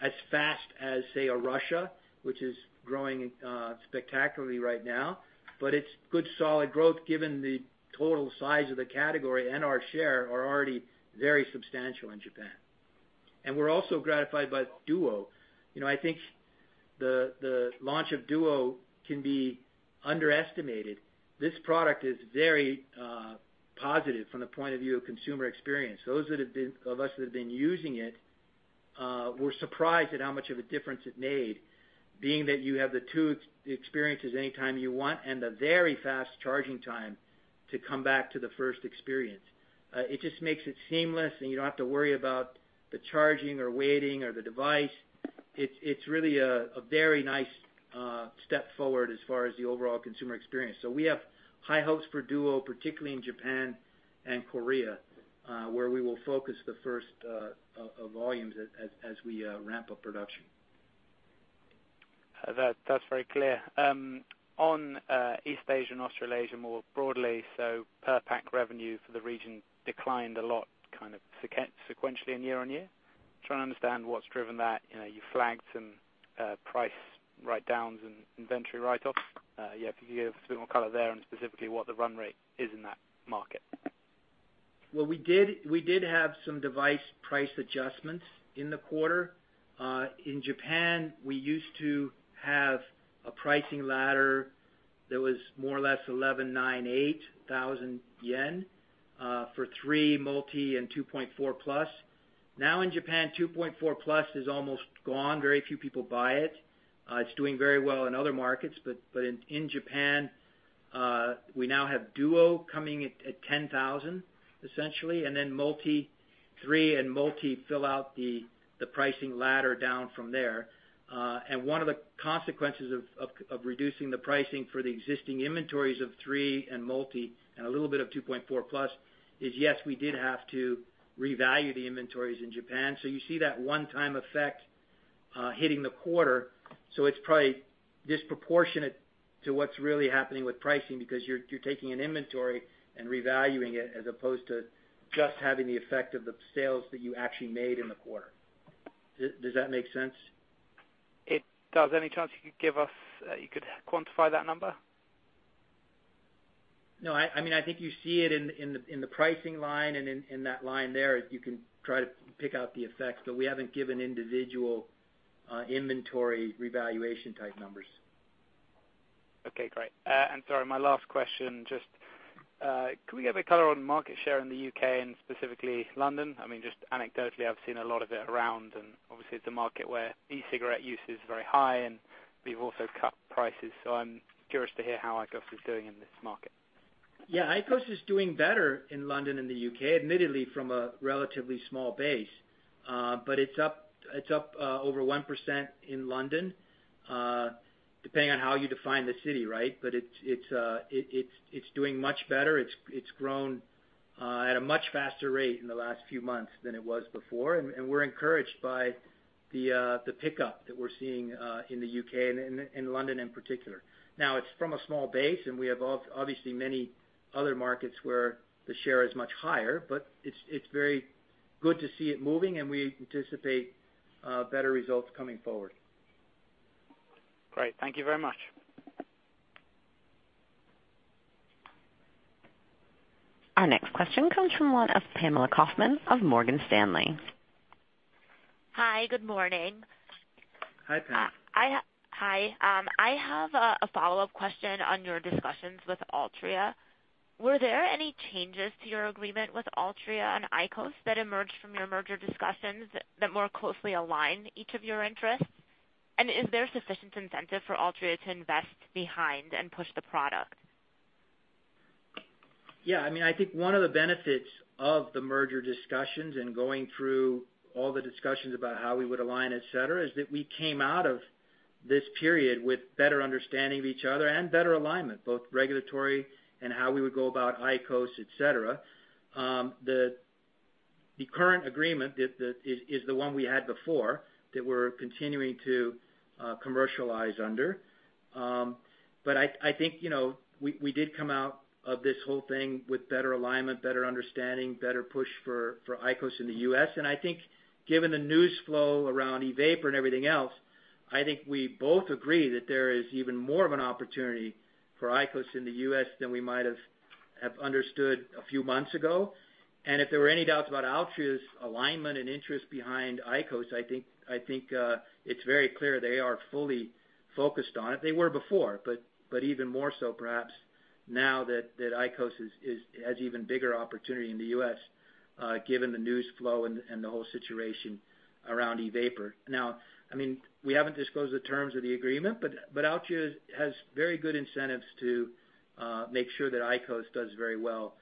as fast as, say, a Russia, which is growing spectacularly right now. It's good, solid growth given the total size of the category, and our share are already very substantial in Japan. We're also gratified by Duo. I think the launch of Duo can be underestimated. This product is very positive from the point of view of consumer experience. Those of us that have been using it, were surprised at how much of a difference it made, being that you have the two experiences anytime you want and a very fast charging time to come back to the first experience. It just makes it seamless, and you don't have to worry about the charging or waiting or the device. It's really a very nice step forward as far as the overall consumer experience. We have high hopes for Duo, particularly in Japan and Korea, where we will focus the first volumes as we ramp up production. That's very clear. On East Asia and Australasia, more broadly, per pack revenue for the region declined a lot kind of sequentially and year-on-year. Trying to understand what's driven that. You flagged some price write-downs and inventory write-offs. Yeah, if you could give a bit more color there on specifically what the run rate is in that market. What we did - we did have some device price adjustments in the quarter. In Japan, we used to have a pricing ladder that was more or less 11,000 yen, 9,000 yen, JPY 8,000 for 3 Multi and 2.4 Plus. In Japan, 2.4 Plus is almost gone. Very few people buy it. It's doing very well in other markets. In Japan, we now have Duo coming at 10,000, essentially, and then Multi 3 and Multi fill out the pricing ladder down from there. One of the consequences of reducing the pricing for the existing inventories of three and multi and a little bit of 2.4 Plus is, yes, we did have to revalue the inventories in Japan. You see that one-time effect hitting the quarter. It's probably disproportionate to what's really happening with pricing because you're taking an inventory and revaluing it as opposed to just having the effect of the sales that you actually made in the quarter. Does that make sense? It does. Any chance you could quantify that number? No. I think you see it in the pricing line and in that line there, you can try to pick out the effects, but we haven't given individual inventory revaluation type numbers. Okay, great. Sorry, my last question, just could we have a color on market share in the U.K. and specifically London? Just anecdotally, I've seen a lot of it around, and obviously it's a market where e-cigarette use is very high, and we've also cut prices. I'm curious to hear how IQOS is doing in this market. Yeah. IQOS is doing better in London and the U.K., admittedly from a relatively small base. It's up over 1% in London, depending on how you define the city, right? It's doing much better. It's grown at a much faster rate in the last few months than it was before, and we're encouraged by the pickup that we're seeing in the U.K., and in London in particular. It's from a small base, and we have obviously many other markets where the share is much higher, but it's very good to see it moving, and we anticipate better results coming forward. Great. Thank you very much. Our next question comes from one of Pamela Kaufman of Morgan Stanley. Hi, good morning. Hi, Pam. Hi. I have a follow-up question on your discussions with Altria. Were there any changes to your agreement with Altria on IQOS that emerged from your merger discussions that more closely align each of your interests? Is there sufficient incentive for Altria to invest behind and push the product? Yeah, I think one of the benefits of the merger discussions and going through all the discussions about how we would align, et cetera, is that we came out of this period with better understanding of each other and better alignment, both regulatory and how we would go about IQOS, et cetera. The current agreement is the one we had before, that we're continuing to commercialize under. I think we did come out of this whole thing with better alignment, better understanding, better push for IQOS in the U.S. I think given the news flow around e-vapor and everything else, I think we both agree that there is even more of an opportunity for IQOS in the U.S. than we might have understood a few months ago. If there were any doubts about Altria's alignment and interest behind IQOS, I think it's very clear they are fully focused on it. They were before, but even more so perhaps now that IQOS has even bigger opportunity in the U.S., given the news flow and the whole situation around e-vapor. We haven't disclosed the terms of the agreement, but Altria has very good incentives to make sure that IQOS does very well.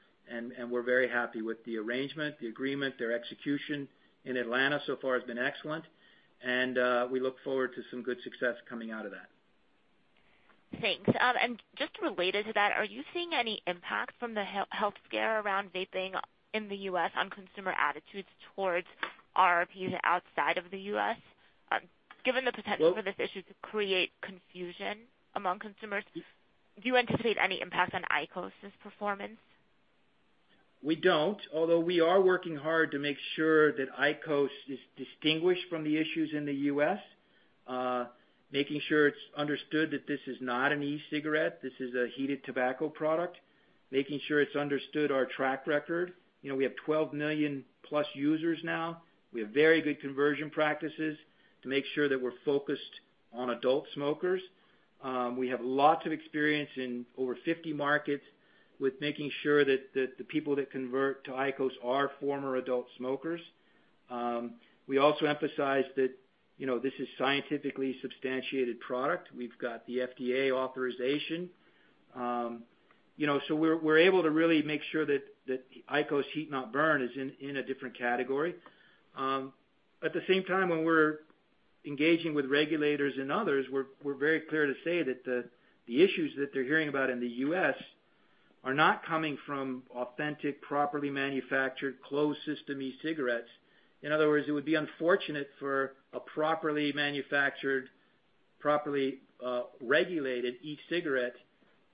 We're very happy with the arrangement, the agreement, their execution in Atlanta so far has been excellent, and we look forward to some good success coming out of that. Thanks. Just related to that, are you seeing any impact from the health scare around vaping in the U.S. on consumer attitudes towards RRPs outside of the U.S.? Given the potential for this issue to create confusion among consumers, do you anticipate any impact on IQOS's performance? We don't, although we are working hard to make sure that IQOS is distinguished from the issues in the U.S. Making sure it's understood that this is not an e-cigarette. This is a heated tobacco product. Making sure it's understood our track record. We have 12 million-plus users now. We have very good conversion practices to make sure that we're focused on adult smokers. We have lots of experience in over 50 markets with making sure that the people that convert to IQOS are former adult smokers. We also emphasize that this is scientifically substantiated product. We've got the FDA authorization. We're able to really make sure that IQOS Heat-not-burn is in a different category. At the same time, when we're engaging with regulators and others, we're very clear to say that the issues that they're hearing about in the U.S. are not coming from authentic, properly manufactured closed system e-cigarettes. In other words, it would be unfortunate for a properly manufactured, properly regulated e-cigarette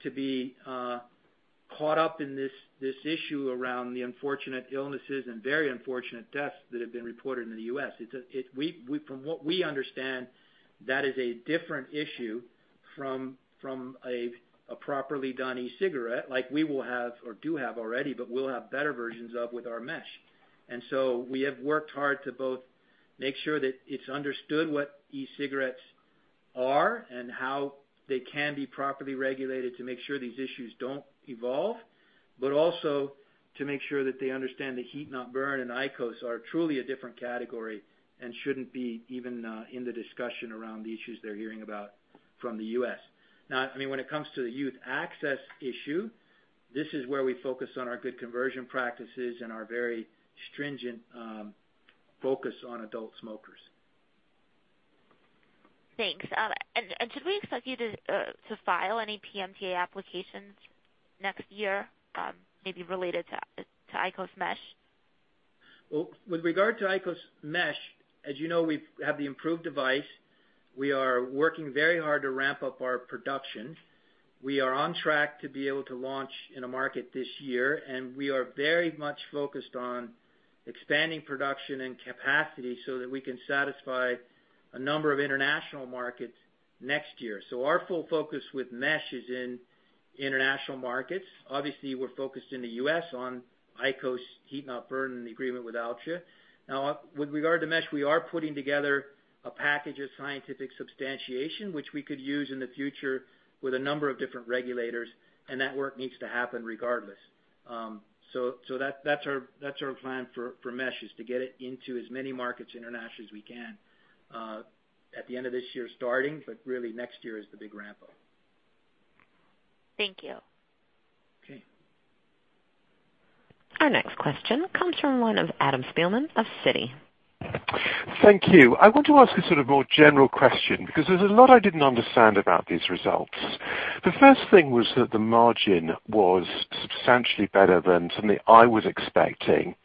to be caught up in this issue around the unfortunate illnesses and very unfortunate deaths that have been reported in the U.S. From what we understand, that is a different issue from a properly done e-cigarette like we will have or do have already, but we'll have better versions of with our MESH. We have worked hard to both make sure that it's understood what e-cigarettes are and how they can be properly regulated to make sure these issues don't evolve, but also to make sure that they understand that Heat-not-burn and IQOS are truly a different category and shouldn't be even in the discussion around the issues they're hearing about from the U.S. Now, when it comes to the youth access issue, this is where we focus on our good conversion practices and our very stringent focus on adult smokers. Thanks. Should we expect you to file any PMTA applications next year maybe related to IQOS MESH? With regard to IQOS MESH, as you know, we have the improved device. We are working very hard to ramp up our production. We are on track to be able to launch in a market this year, and we are very much focused on expanding production and capacity so that we can satisfy a number of international markets next year. Our full focus with MESH is in international markets. Obviously, we're focused in the U.S. on IQOS Heat-not-burn and the agreement with Altria. With regard to MESH, we are putting together a package of scientific substantiation, which we could use in the future with a number of different regulators, and that work needs to happen regardless. That's our plan for MESH, is to get it into as many markets international as we can, at the end of this year starting, but really next year is the big ramp up. Thank you. Okay. Our next question comes from the line of Adam Spielman of Citi. Thank you. I want to ask a sort of more general question, because there's a lot I didn't understand about these results. The first thing was that the margin was substantially better than something I was expecting.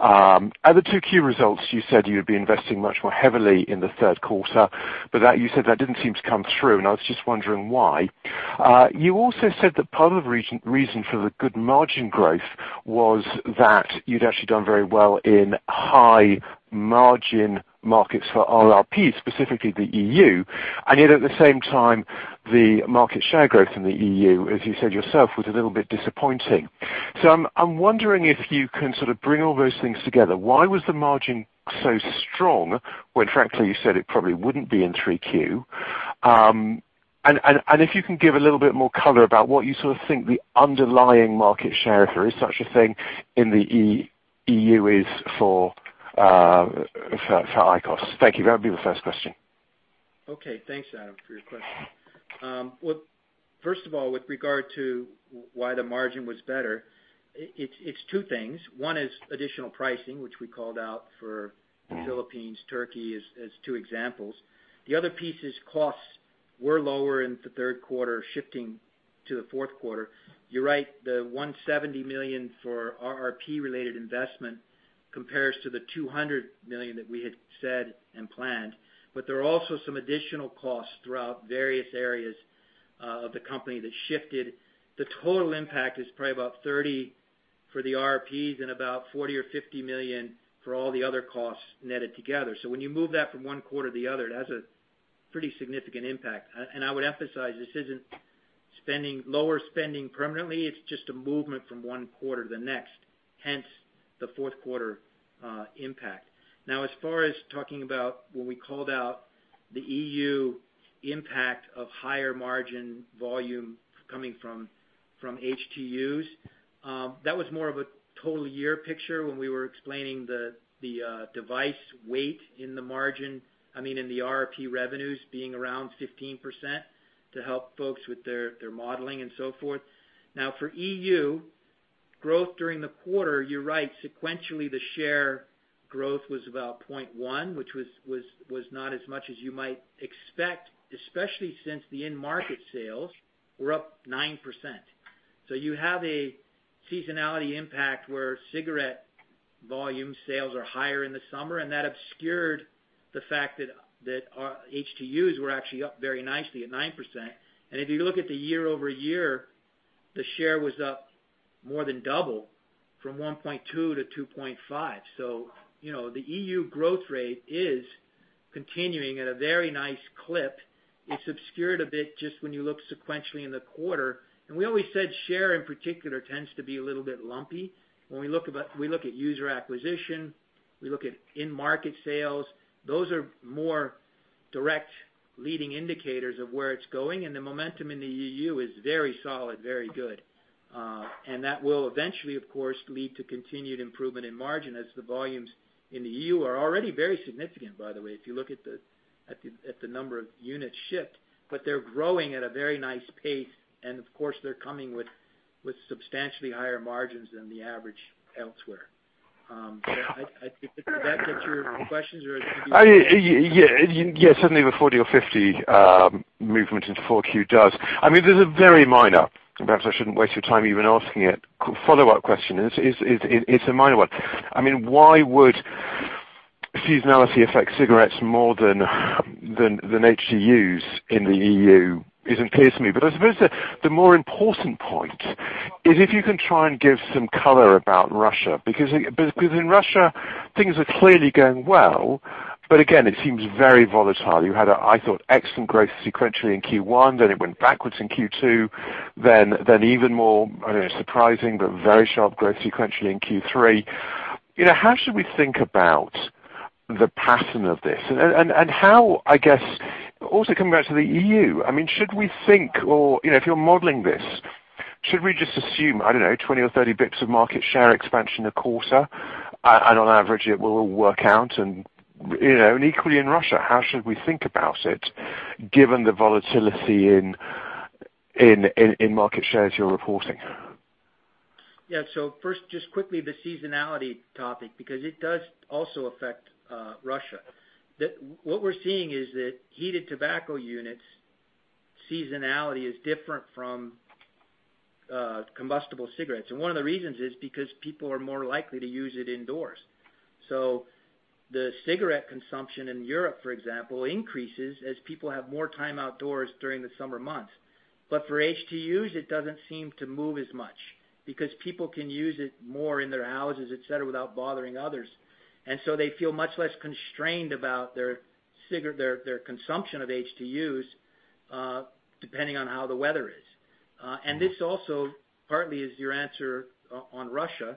At the 2Q results, you said you'd be investing much more heavily in the third quarter, but you said that didn't seem to come through, and I was just wondering why. You also said that part of the reason for the good margin growth was that you'd actually done very well in high margin markets for RRPs, specifically the EU, and yet at the same time, the market share growth in the EU, as you said yourself, was a little bit disappointing. I'm wondering if you can sort of bring all those things together. Why was the margin so strong when frankly, you said it probably wouldn't be in 3Q? If you can give a little bit more color about what you sort of think the underlying market share, if there is such a thing in the EU, is for IQOS. Thank you. That would be the first question. Okay. Thanks, Adam, for your question. First of all, with regard to why the margin was better, it's two things. One is additional pricing, which we called out for Philippines, Turkey, as two examples. The other piece is costs were lower in the third quarter shifting to the fourth quarter. You're right, the $170 million for RRP related investment compares to the $200 million that we had said and planned, there are also some additional costs throughout various areas of the company that shifted. The total impact is probably about $30 for the RRPs and about $40 or $50 million for all the other costs netted together. When you move that from one quarter to the other, it has a pretty significant impact. I would emphasize, this isn't lower spending permanently, it's just a movement from one quarter to the next, hence the fourth quarter impact. As far as talking about when we called out the EU impact of higher margin volume coming from HTUs, that was more of a total year picture when we were explaining the device weight in the margin, I mean, in the RRP revenues being around 15% to help folks with their modeling and so forth. For EU, growth during the quarter, you're right. Sequentially, the share growth was about 0.1, which was not as much as you might expect, especially since the in-market sales were up 9%. You have a seasonality impact where cigarette volume sales are higher in the summer, and that obscured the fact that HTUs were actually up very nicely at 9%. If you look at the year-over-year, the share was up more than double from 1.2 to 2.5. The EU growth rate is continuing at a very nice clip. It's obscured a bit just when you look sequentially in the quarter. We always said share in particular tends to be a little bit lumpy. When we look at user acquisition, we look at in-market sales, those are more direct leading indicators of where it's going, and the momentum in the EU is very solid, very good. That will eventually, of course, lead to continued improvement in margin as the volumes in the EU are already very significant, by the way, if you look at the number of units shipped. They're growing at a very nice pace, and of course, they're coming with substantially higher margins than the average elsewhere. I think that answers your questions. Yes. Certainly the 40 or 50 movement into 4Q does. I mean, these are very minor, perhaps I shouldn't waste your time even asking it. Follow-up question. It's a minor one. Why would seasonality affect cigarettes more than HTUs in the EU? I suppose the more important point is if you can try and give some color about Russia, because in Russia, things are clearly going well, but again, it seems very volatile. You had, I thought, excellent growth sequentially in Q1, then it went backwards in Q2, then even more, I don't know, surprising, but very sharp growth sequentially in Q3. How should we think about the pattern of this? Coming back to the EU, if you're modeling this, should we just assume, I don't know, 20 or 30 basis points of market share expansion a quarter, and on average, it will all work out? Equally in Russia, how should we think about it given the volatility in market shares you're reporting? First, just quickly the seasonality topic, because it does also affect Russia. What we're seeing is that heated tobacco units seasonality is different from combustible cigarettes. One of the reasons is because people are more likely to use it indoors. The cigarette consumption in Europe, for example, increases as people have more time outdoors during the summer months. For HTUs, it doesn't seem to move as much because people can use it more in their houses, et cetera, without bothering others. They feel much less constrained about their consumption of HTUs depending on how the weather is. This also partly is your answer on Russia.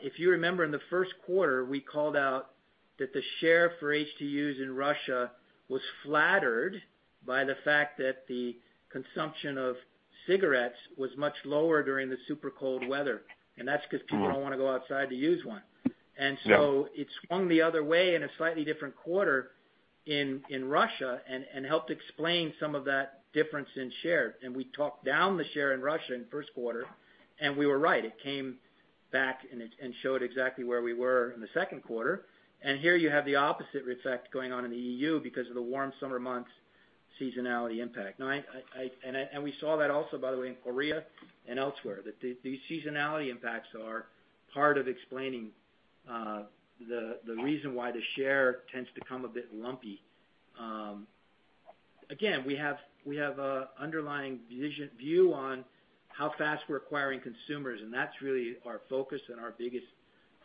If you remember in the first quarter, we called out that the share for HTUs in Russia was flattered by the fact that the consumption of cigarettes was much lower during the super cold weather, and that's because people don't want to go outside to use one. Yeah. It swung the other way in a slightly different quarter in Russia and helped explain some of that difference in share. We talked down the share in Russia in the first quarter, and we were right. It came back and showed exactly where we were in the second quarter. Here you have the opposite effect going on in the EU because of the warm summer months seasonality impact. We saw that also, by the way, in Korea and elsewhere, that the seasonality impacts are part of explaining the reason why the share tends to come a bit lumpy. Again, we have a underlying view on how fast we're acquiring consumers, and that's really our focus and our biggest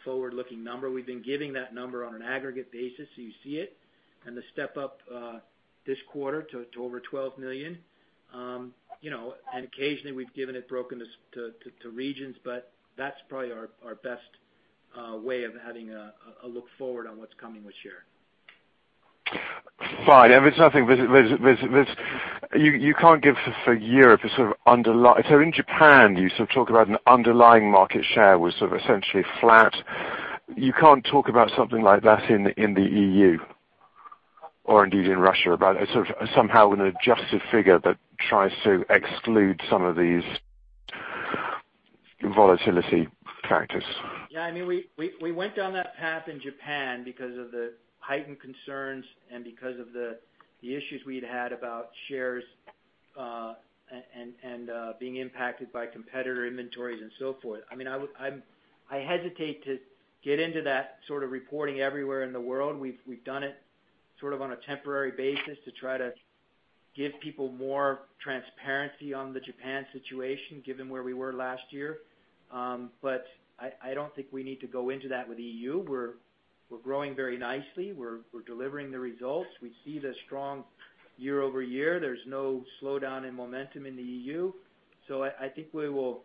forward-looking number. We've been giving that number on an aggregate basis, so you see it and the step up this quarter to over 12 million. Occasionally, we've given it broken to regions, but that's probably our best way of having a look forward on what's coming with share. Fine. In Japan, you sort of talk about an underlying market share was sort of essentially flat. You can't talk about something like that in the EU or indeed in Russia, about somehow an adjusted figure that tries to exclude some of these volatility factors. Yeah. We went down that path in Japan because of the heightened concerns and because of the issues we'd had about shares, and being impacted by competitor inventories and so forth. I hesitate to get into that sort of reporting everywhere in the world. We've done it sort of on a temporary basis to try to give people more transparency on the Japan situation, given where we were last year. I don't think we need to go into that with EU. We're growing very nicely. We're delivering the results. We see the strong year-over-year. There's no slowdown in momentum in the EU. I think we will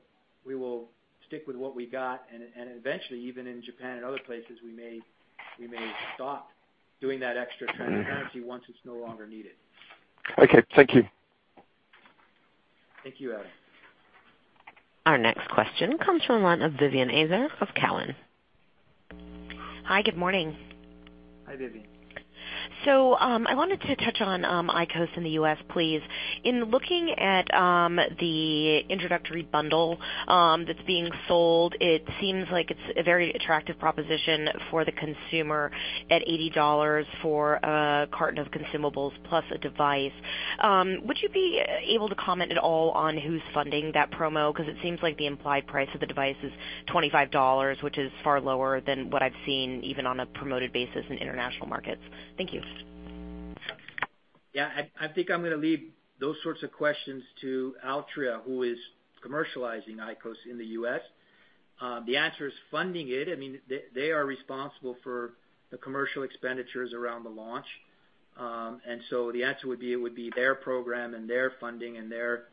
stick with what we got, and eventually, even in Japan and other places, we may stop doing that extra transparency once it's no longer needed. Okay. Thank you. Thank you, Adam. Our next question comes from the line of Vivien Azer of Cowen. Hi. Good morning. Hi, Vivien. I wanted to touch on IQOS in the U.S., please. In looking at the introductory bundle that's being sold, it seems like it's a very attractive proposition for the consumer at $80 for a carton of consumables plus a device. Would you be able to comment at all on who's funding that promo? Because it seems like the implied price of the device is $25, which is far lower than what I've seen, even on a promoted basis in international markets. Thank you. Yeah. I think I'm going to leave those sorts of questions to Altria, who is commercializing IQOS in the U.S. The answer is funding it. They are responsible for the commercial expenditures around the launch. The answer would be, it would be their program and their funding and their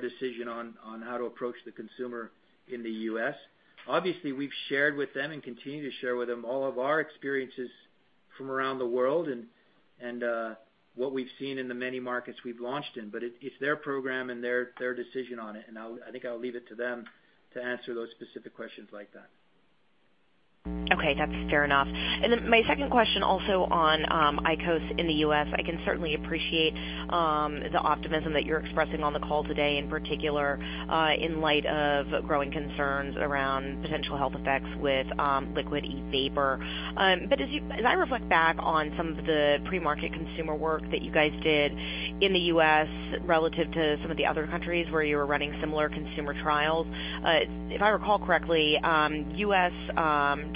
decision on how to approach the consumer in the U.S. Obviously, we've shared with them and continue to share with them all of our experiences from around the world and what we've seen in the many markets we've launched in. It's their program and their decision on it, and I think I'll leave it to them to answer those specific questions like that. Okay. That's fair enough. My second question, also on IQOS in the U.S. I can certainly appreciate the optimism that you're expressing on the call today, in particular, in light of growing concerns around potential health effects with liquid e-vapor. As I reflect back on some of the pre-market consumer work that you guys did in the U.S. relative to some of the other countries where you were running similar consumer trials, if I recall correctly, U.S.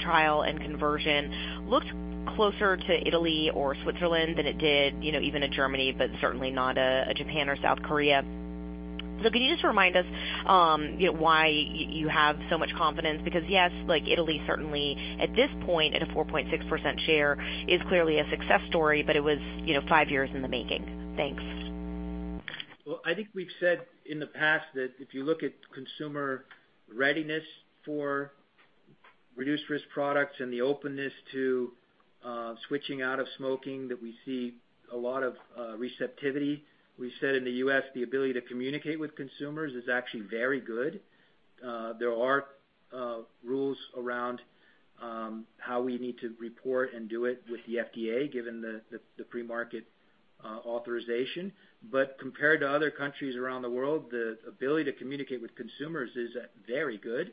trial and conversion looked closer to Italy or Switzerland than it did even in Germany, but certainly not a Japan or South Korea. Can you just remind us why you have so much confidence? Yes, like Italy, certainly at this point, at a 4.6% share is clearly a success story, but it was 5 years in the making. Thanks. I think we've said in the past that if you look at consumer readiness for reduced-risk products and the openness to switching out of smoking, that we see a lot of receptivity. We said in the U.S., the ability to communicate with consumers is actually very good. There are rules around how we need to report and do it with the FDA, given the pre-market authorization. Compared to other countries around the world, the ability to communicate with consumers is very good.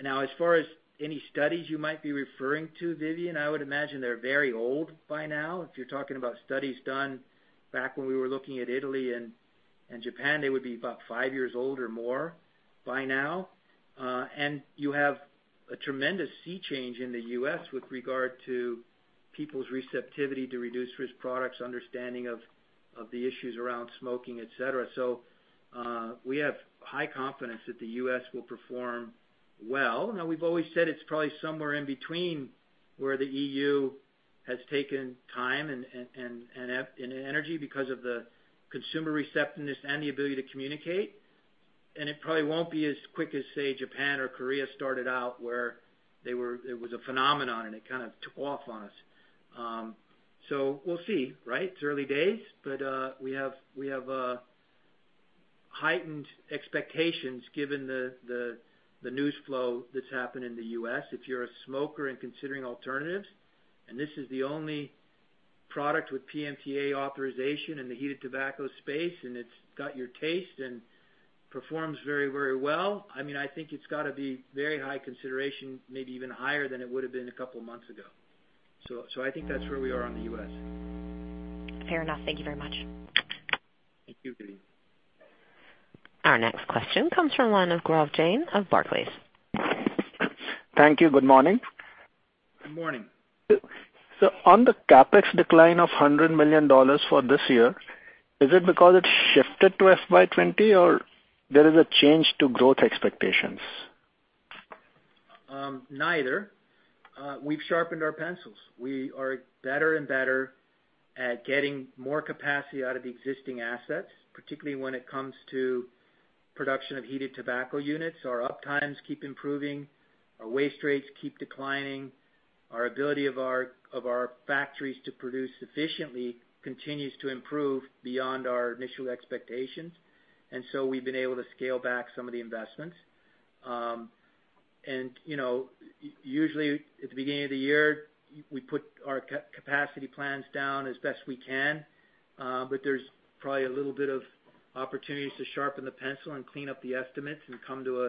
As far as any studies you might be referring to, Vivien, I would imagine they're very old by now. If you're talking about studies done back when we were looking at Italy and Japan, they would be about five years old or more by now. You have a tremendous sea change in the U.S. with regard to people's receptivity to reduced-risk products, understanding of the issues around smoking, et cetera. We have high confidence that the U.S. will perform well. Now, we've always said it's probably somewhere in between, where the EU has taken time and energy because of the consumer receptiveness and the ability to communicate. It probably won't be as quick as, say, Japan or Korea started out, where it was a phenomenon, and it kind of took off on us. We'll see. Right? It's early days, but we have heightened expectations given the news flow that's happened in the U.S. If you're a smoker and considering alternatives, this is the only product with PMTA authorization in the heated tobacco space, it's got your taste and performs very well, I think it's got to be very high consideration, maybe even higher than it would have been a couple of months ago. I think that's where we are on the U.S. Fair enough. Thank you very much. Thank you, Vivien. Our next question comes from the line of Gaurav Jain of Barclays. Thank you. Good morning. Good morning. On the CapEx decline of $100 million for this year, is it because it shifted to FY 2020, or there is a change to growth expectations? Neither. We've sharpened our pencils. We are better and better at getting more capacity out of the existing assets, particularly when it comes to production of heated tobacco units. Our up times keep improving. Our waste rates keep declining. Our ability of our factories to produce efficiently continues to improve beyond our initial expectations. We've been able to scale back some of the investments. Usually at the beginning of the year, we put our capacity plans down as best we can. There's probably a little bit of opportunities to sharpen the pencil and clean up the estimates and come to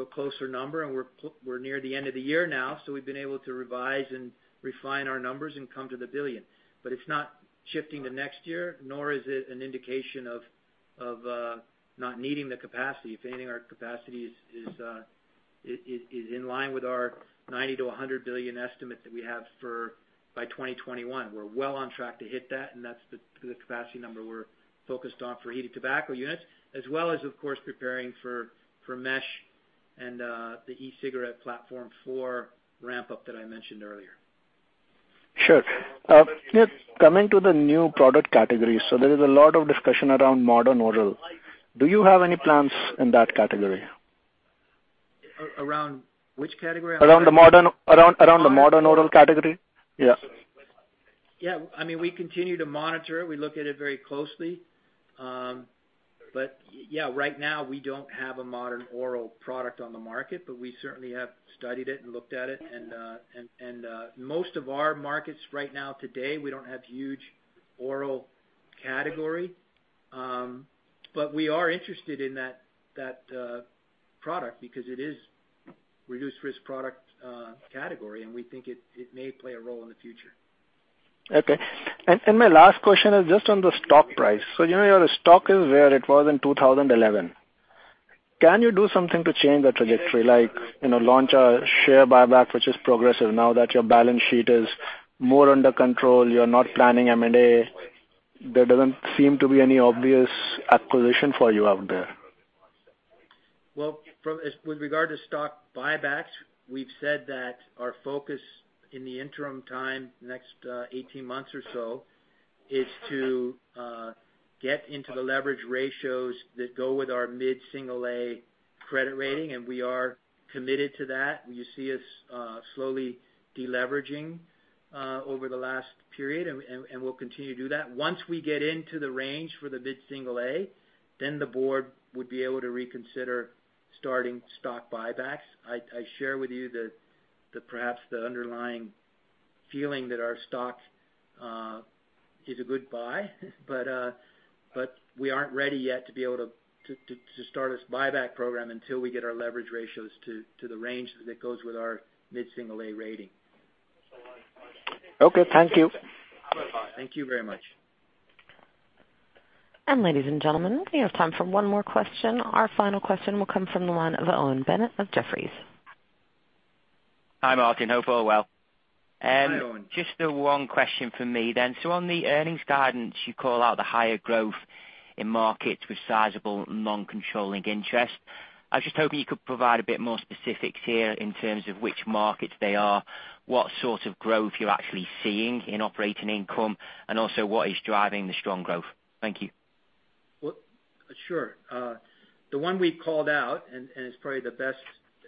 a closer number. We're near the end of the year now, so we've been able to revise and refine our numbers and come to the billion. It's not shifting to next year, nor is it an indication of not needing the capacity. If anything, our capacity is in line with our $90 billion-$100 billion estimate that we have for by 2021. We're well on track to hit that, and that's the capacity number we're focused on for heated tobacco units, as well as, of course, preparing for MESH and the e-cigarette platform for ramp-up that I mentioned earlier. Sure. Coming to the new product categories, there is a lot of discussion around modern oral. Do you have any plans in that category? Around which category? I'm sorry. Around the modern oral category. Yeah. Yeah. We continue to monitor it. We look at it very closely. Yeah, right now we don't have a modern oral product on the market, but we certainly have studied it and looked at it. Most of our markets right now today, we don't have huge oral category. We are interested in that product because it is Reduced-Risk Product category, and we think it may play a role in the future. Okay. My last question is just on the stock price. You know your stock is where it was in 2011. Can you do something to change the trajectory, like, launch a share buyback which is progressive now that your balance sheet is more under control, you're not planning M&A? There doesn't seem to be any obvious acquisition for you out there. With regard to stock buybacks, we've said that our focus in the interim time, the next 18 months or so, is to get into the leverage ratios that go with our mid-single A credit rating, and we are committed to that. You see us slowly de-leveraging over the last period, and we'll continue to do that. Once we get into the range for the mid-single A, then the board would be able to reconsider starting stock buybacks. I share with you that perhaps the underlying feeling that our stock is a good buy, but we aren't ready yet to be able to start this buyback program until we get our leverage ratios to the range that goes with our mid-single A rating. Okay, thank you. Thank you very much. Ladies and gentlemen, we have time for one more question. Our final question will come from the line of Owen Bennett of Jefferies. Hi, Martin. Hope all well. Hi, Owen. Just one question for me. On the earnings guidance, you call out the higher growth in markets with sizable non-controlling interest. I was just hoping you could provide a bit more specifics here in terms of which markets they are, what sort of growth you're actually seeing in operating income, and also what is driving the strong growth. Thank you. Sure. The one we called out, and is probably the best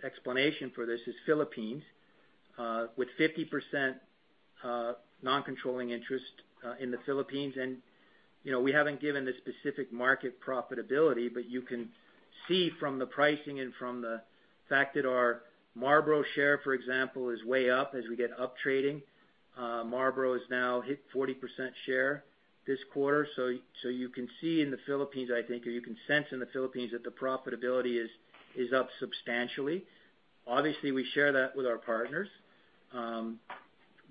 explanation for this, is Philippines, with 50% non-controlling interest in the Philippines. We haven't given the specific market profitability, but you can see from the pricing and from the fact that our Marlboro share, for example, is way up as we get up trading. Marlboro has now hit 40% share this quarter. You can see in the Philippines, I think, or you can sense in the Philippines that the profitability is up substantially. Obviously, we share that with our partners,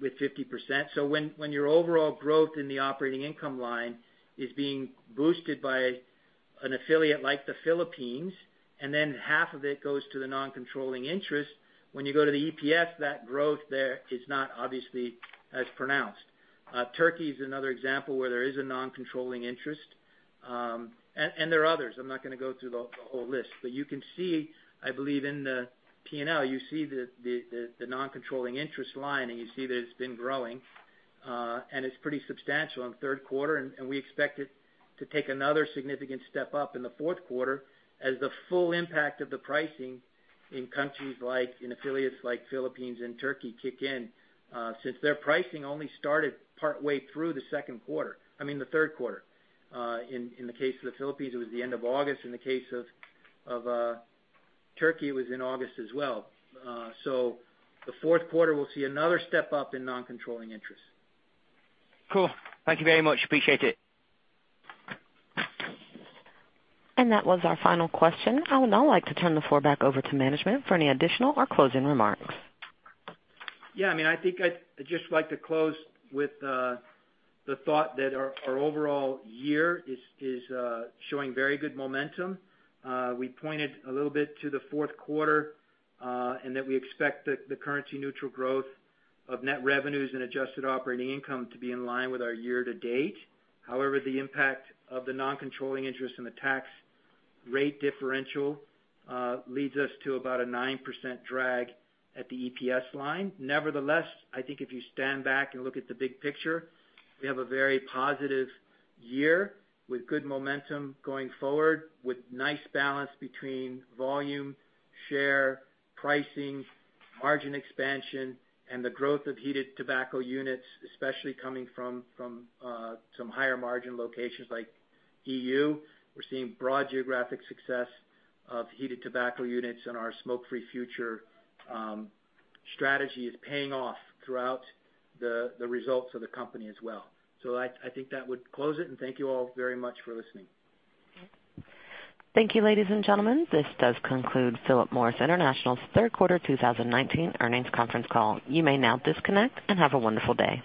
with 50%. When your overall growth in the operating income line is being boosted by an affiliate like the Philippines, and then half of it goes to the non-controlling interest, when you go to the EPS, that growth there is not obviously as pronounced. Turkey is another example where there is a non-controlling interest. There are others. I'm not going to go through the whole list. You can see, I believe in the P&L, you see the non-controlling interest line, and you see that it's been growing. It's pretty substantial in the third quarter, and we expect it to take another significant step up in the fourth quarter as the full impact of the pricing in countries like, in affiliates like Philippines and Turkey kick in, since their pricing only started partway through the second quarter. I mean, the third quarter. In the case of the Philippines, it was the end of August. In the case of Turkey, it was in August as well. The fourth quarter will see another step-up in non-controlling interest. Cool. Thank you very much. Appreciate it. That was our final question. I would now like to turn the floor back over to management for any additional or closing remarks. Yeah, I think I'd just like to close with the thought that our overall year is showing very good momentum. We pointed a little bit to the fourth quarter, and that we expect the currency neutral growth of net revenues and adjusted operating income to be in line with our year-to-date. However, the impact of the non-controlling interest and the tax rate differential leads us to about a 9% drag at the EPS line. Nevertheless, I think if you stand back and look at the big picture, we have a very positive year with good momentum going forward, with nice balance between volume, share, pricing, margin expansion, and the growth of heated tobacco units, especially coming from some higher margin locations like EU. We're seeing broad geographic success of heated tobacco units and our smoke-free future strategy is paying off throughout the results of the company as well. I think that would close it, and thank you all very much for listening. Thank you, ladies and gentlemen. This does conclude Philip Morris International's third quarter 2019 earnings conference call. You may now disconnect, and have a wonderful day.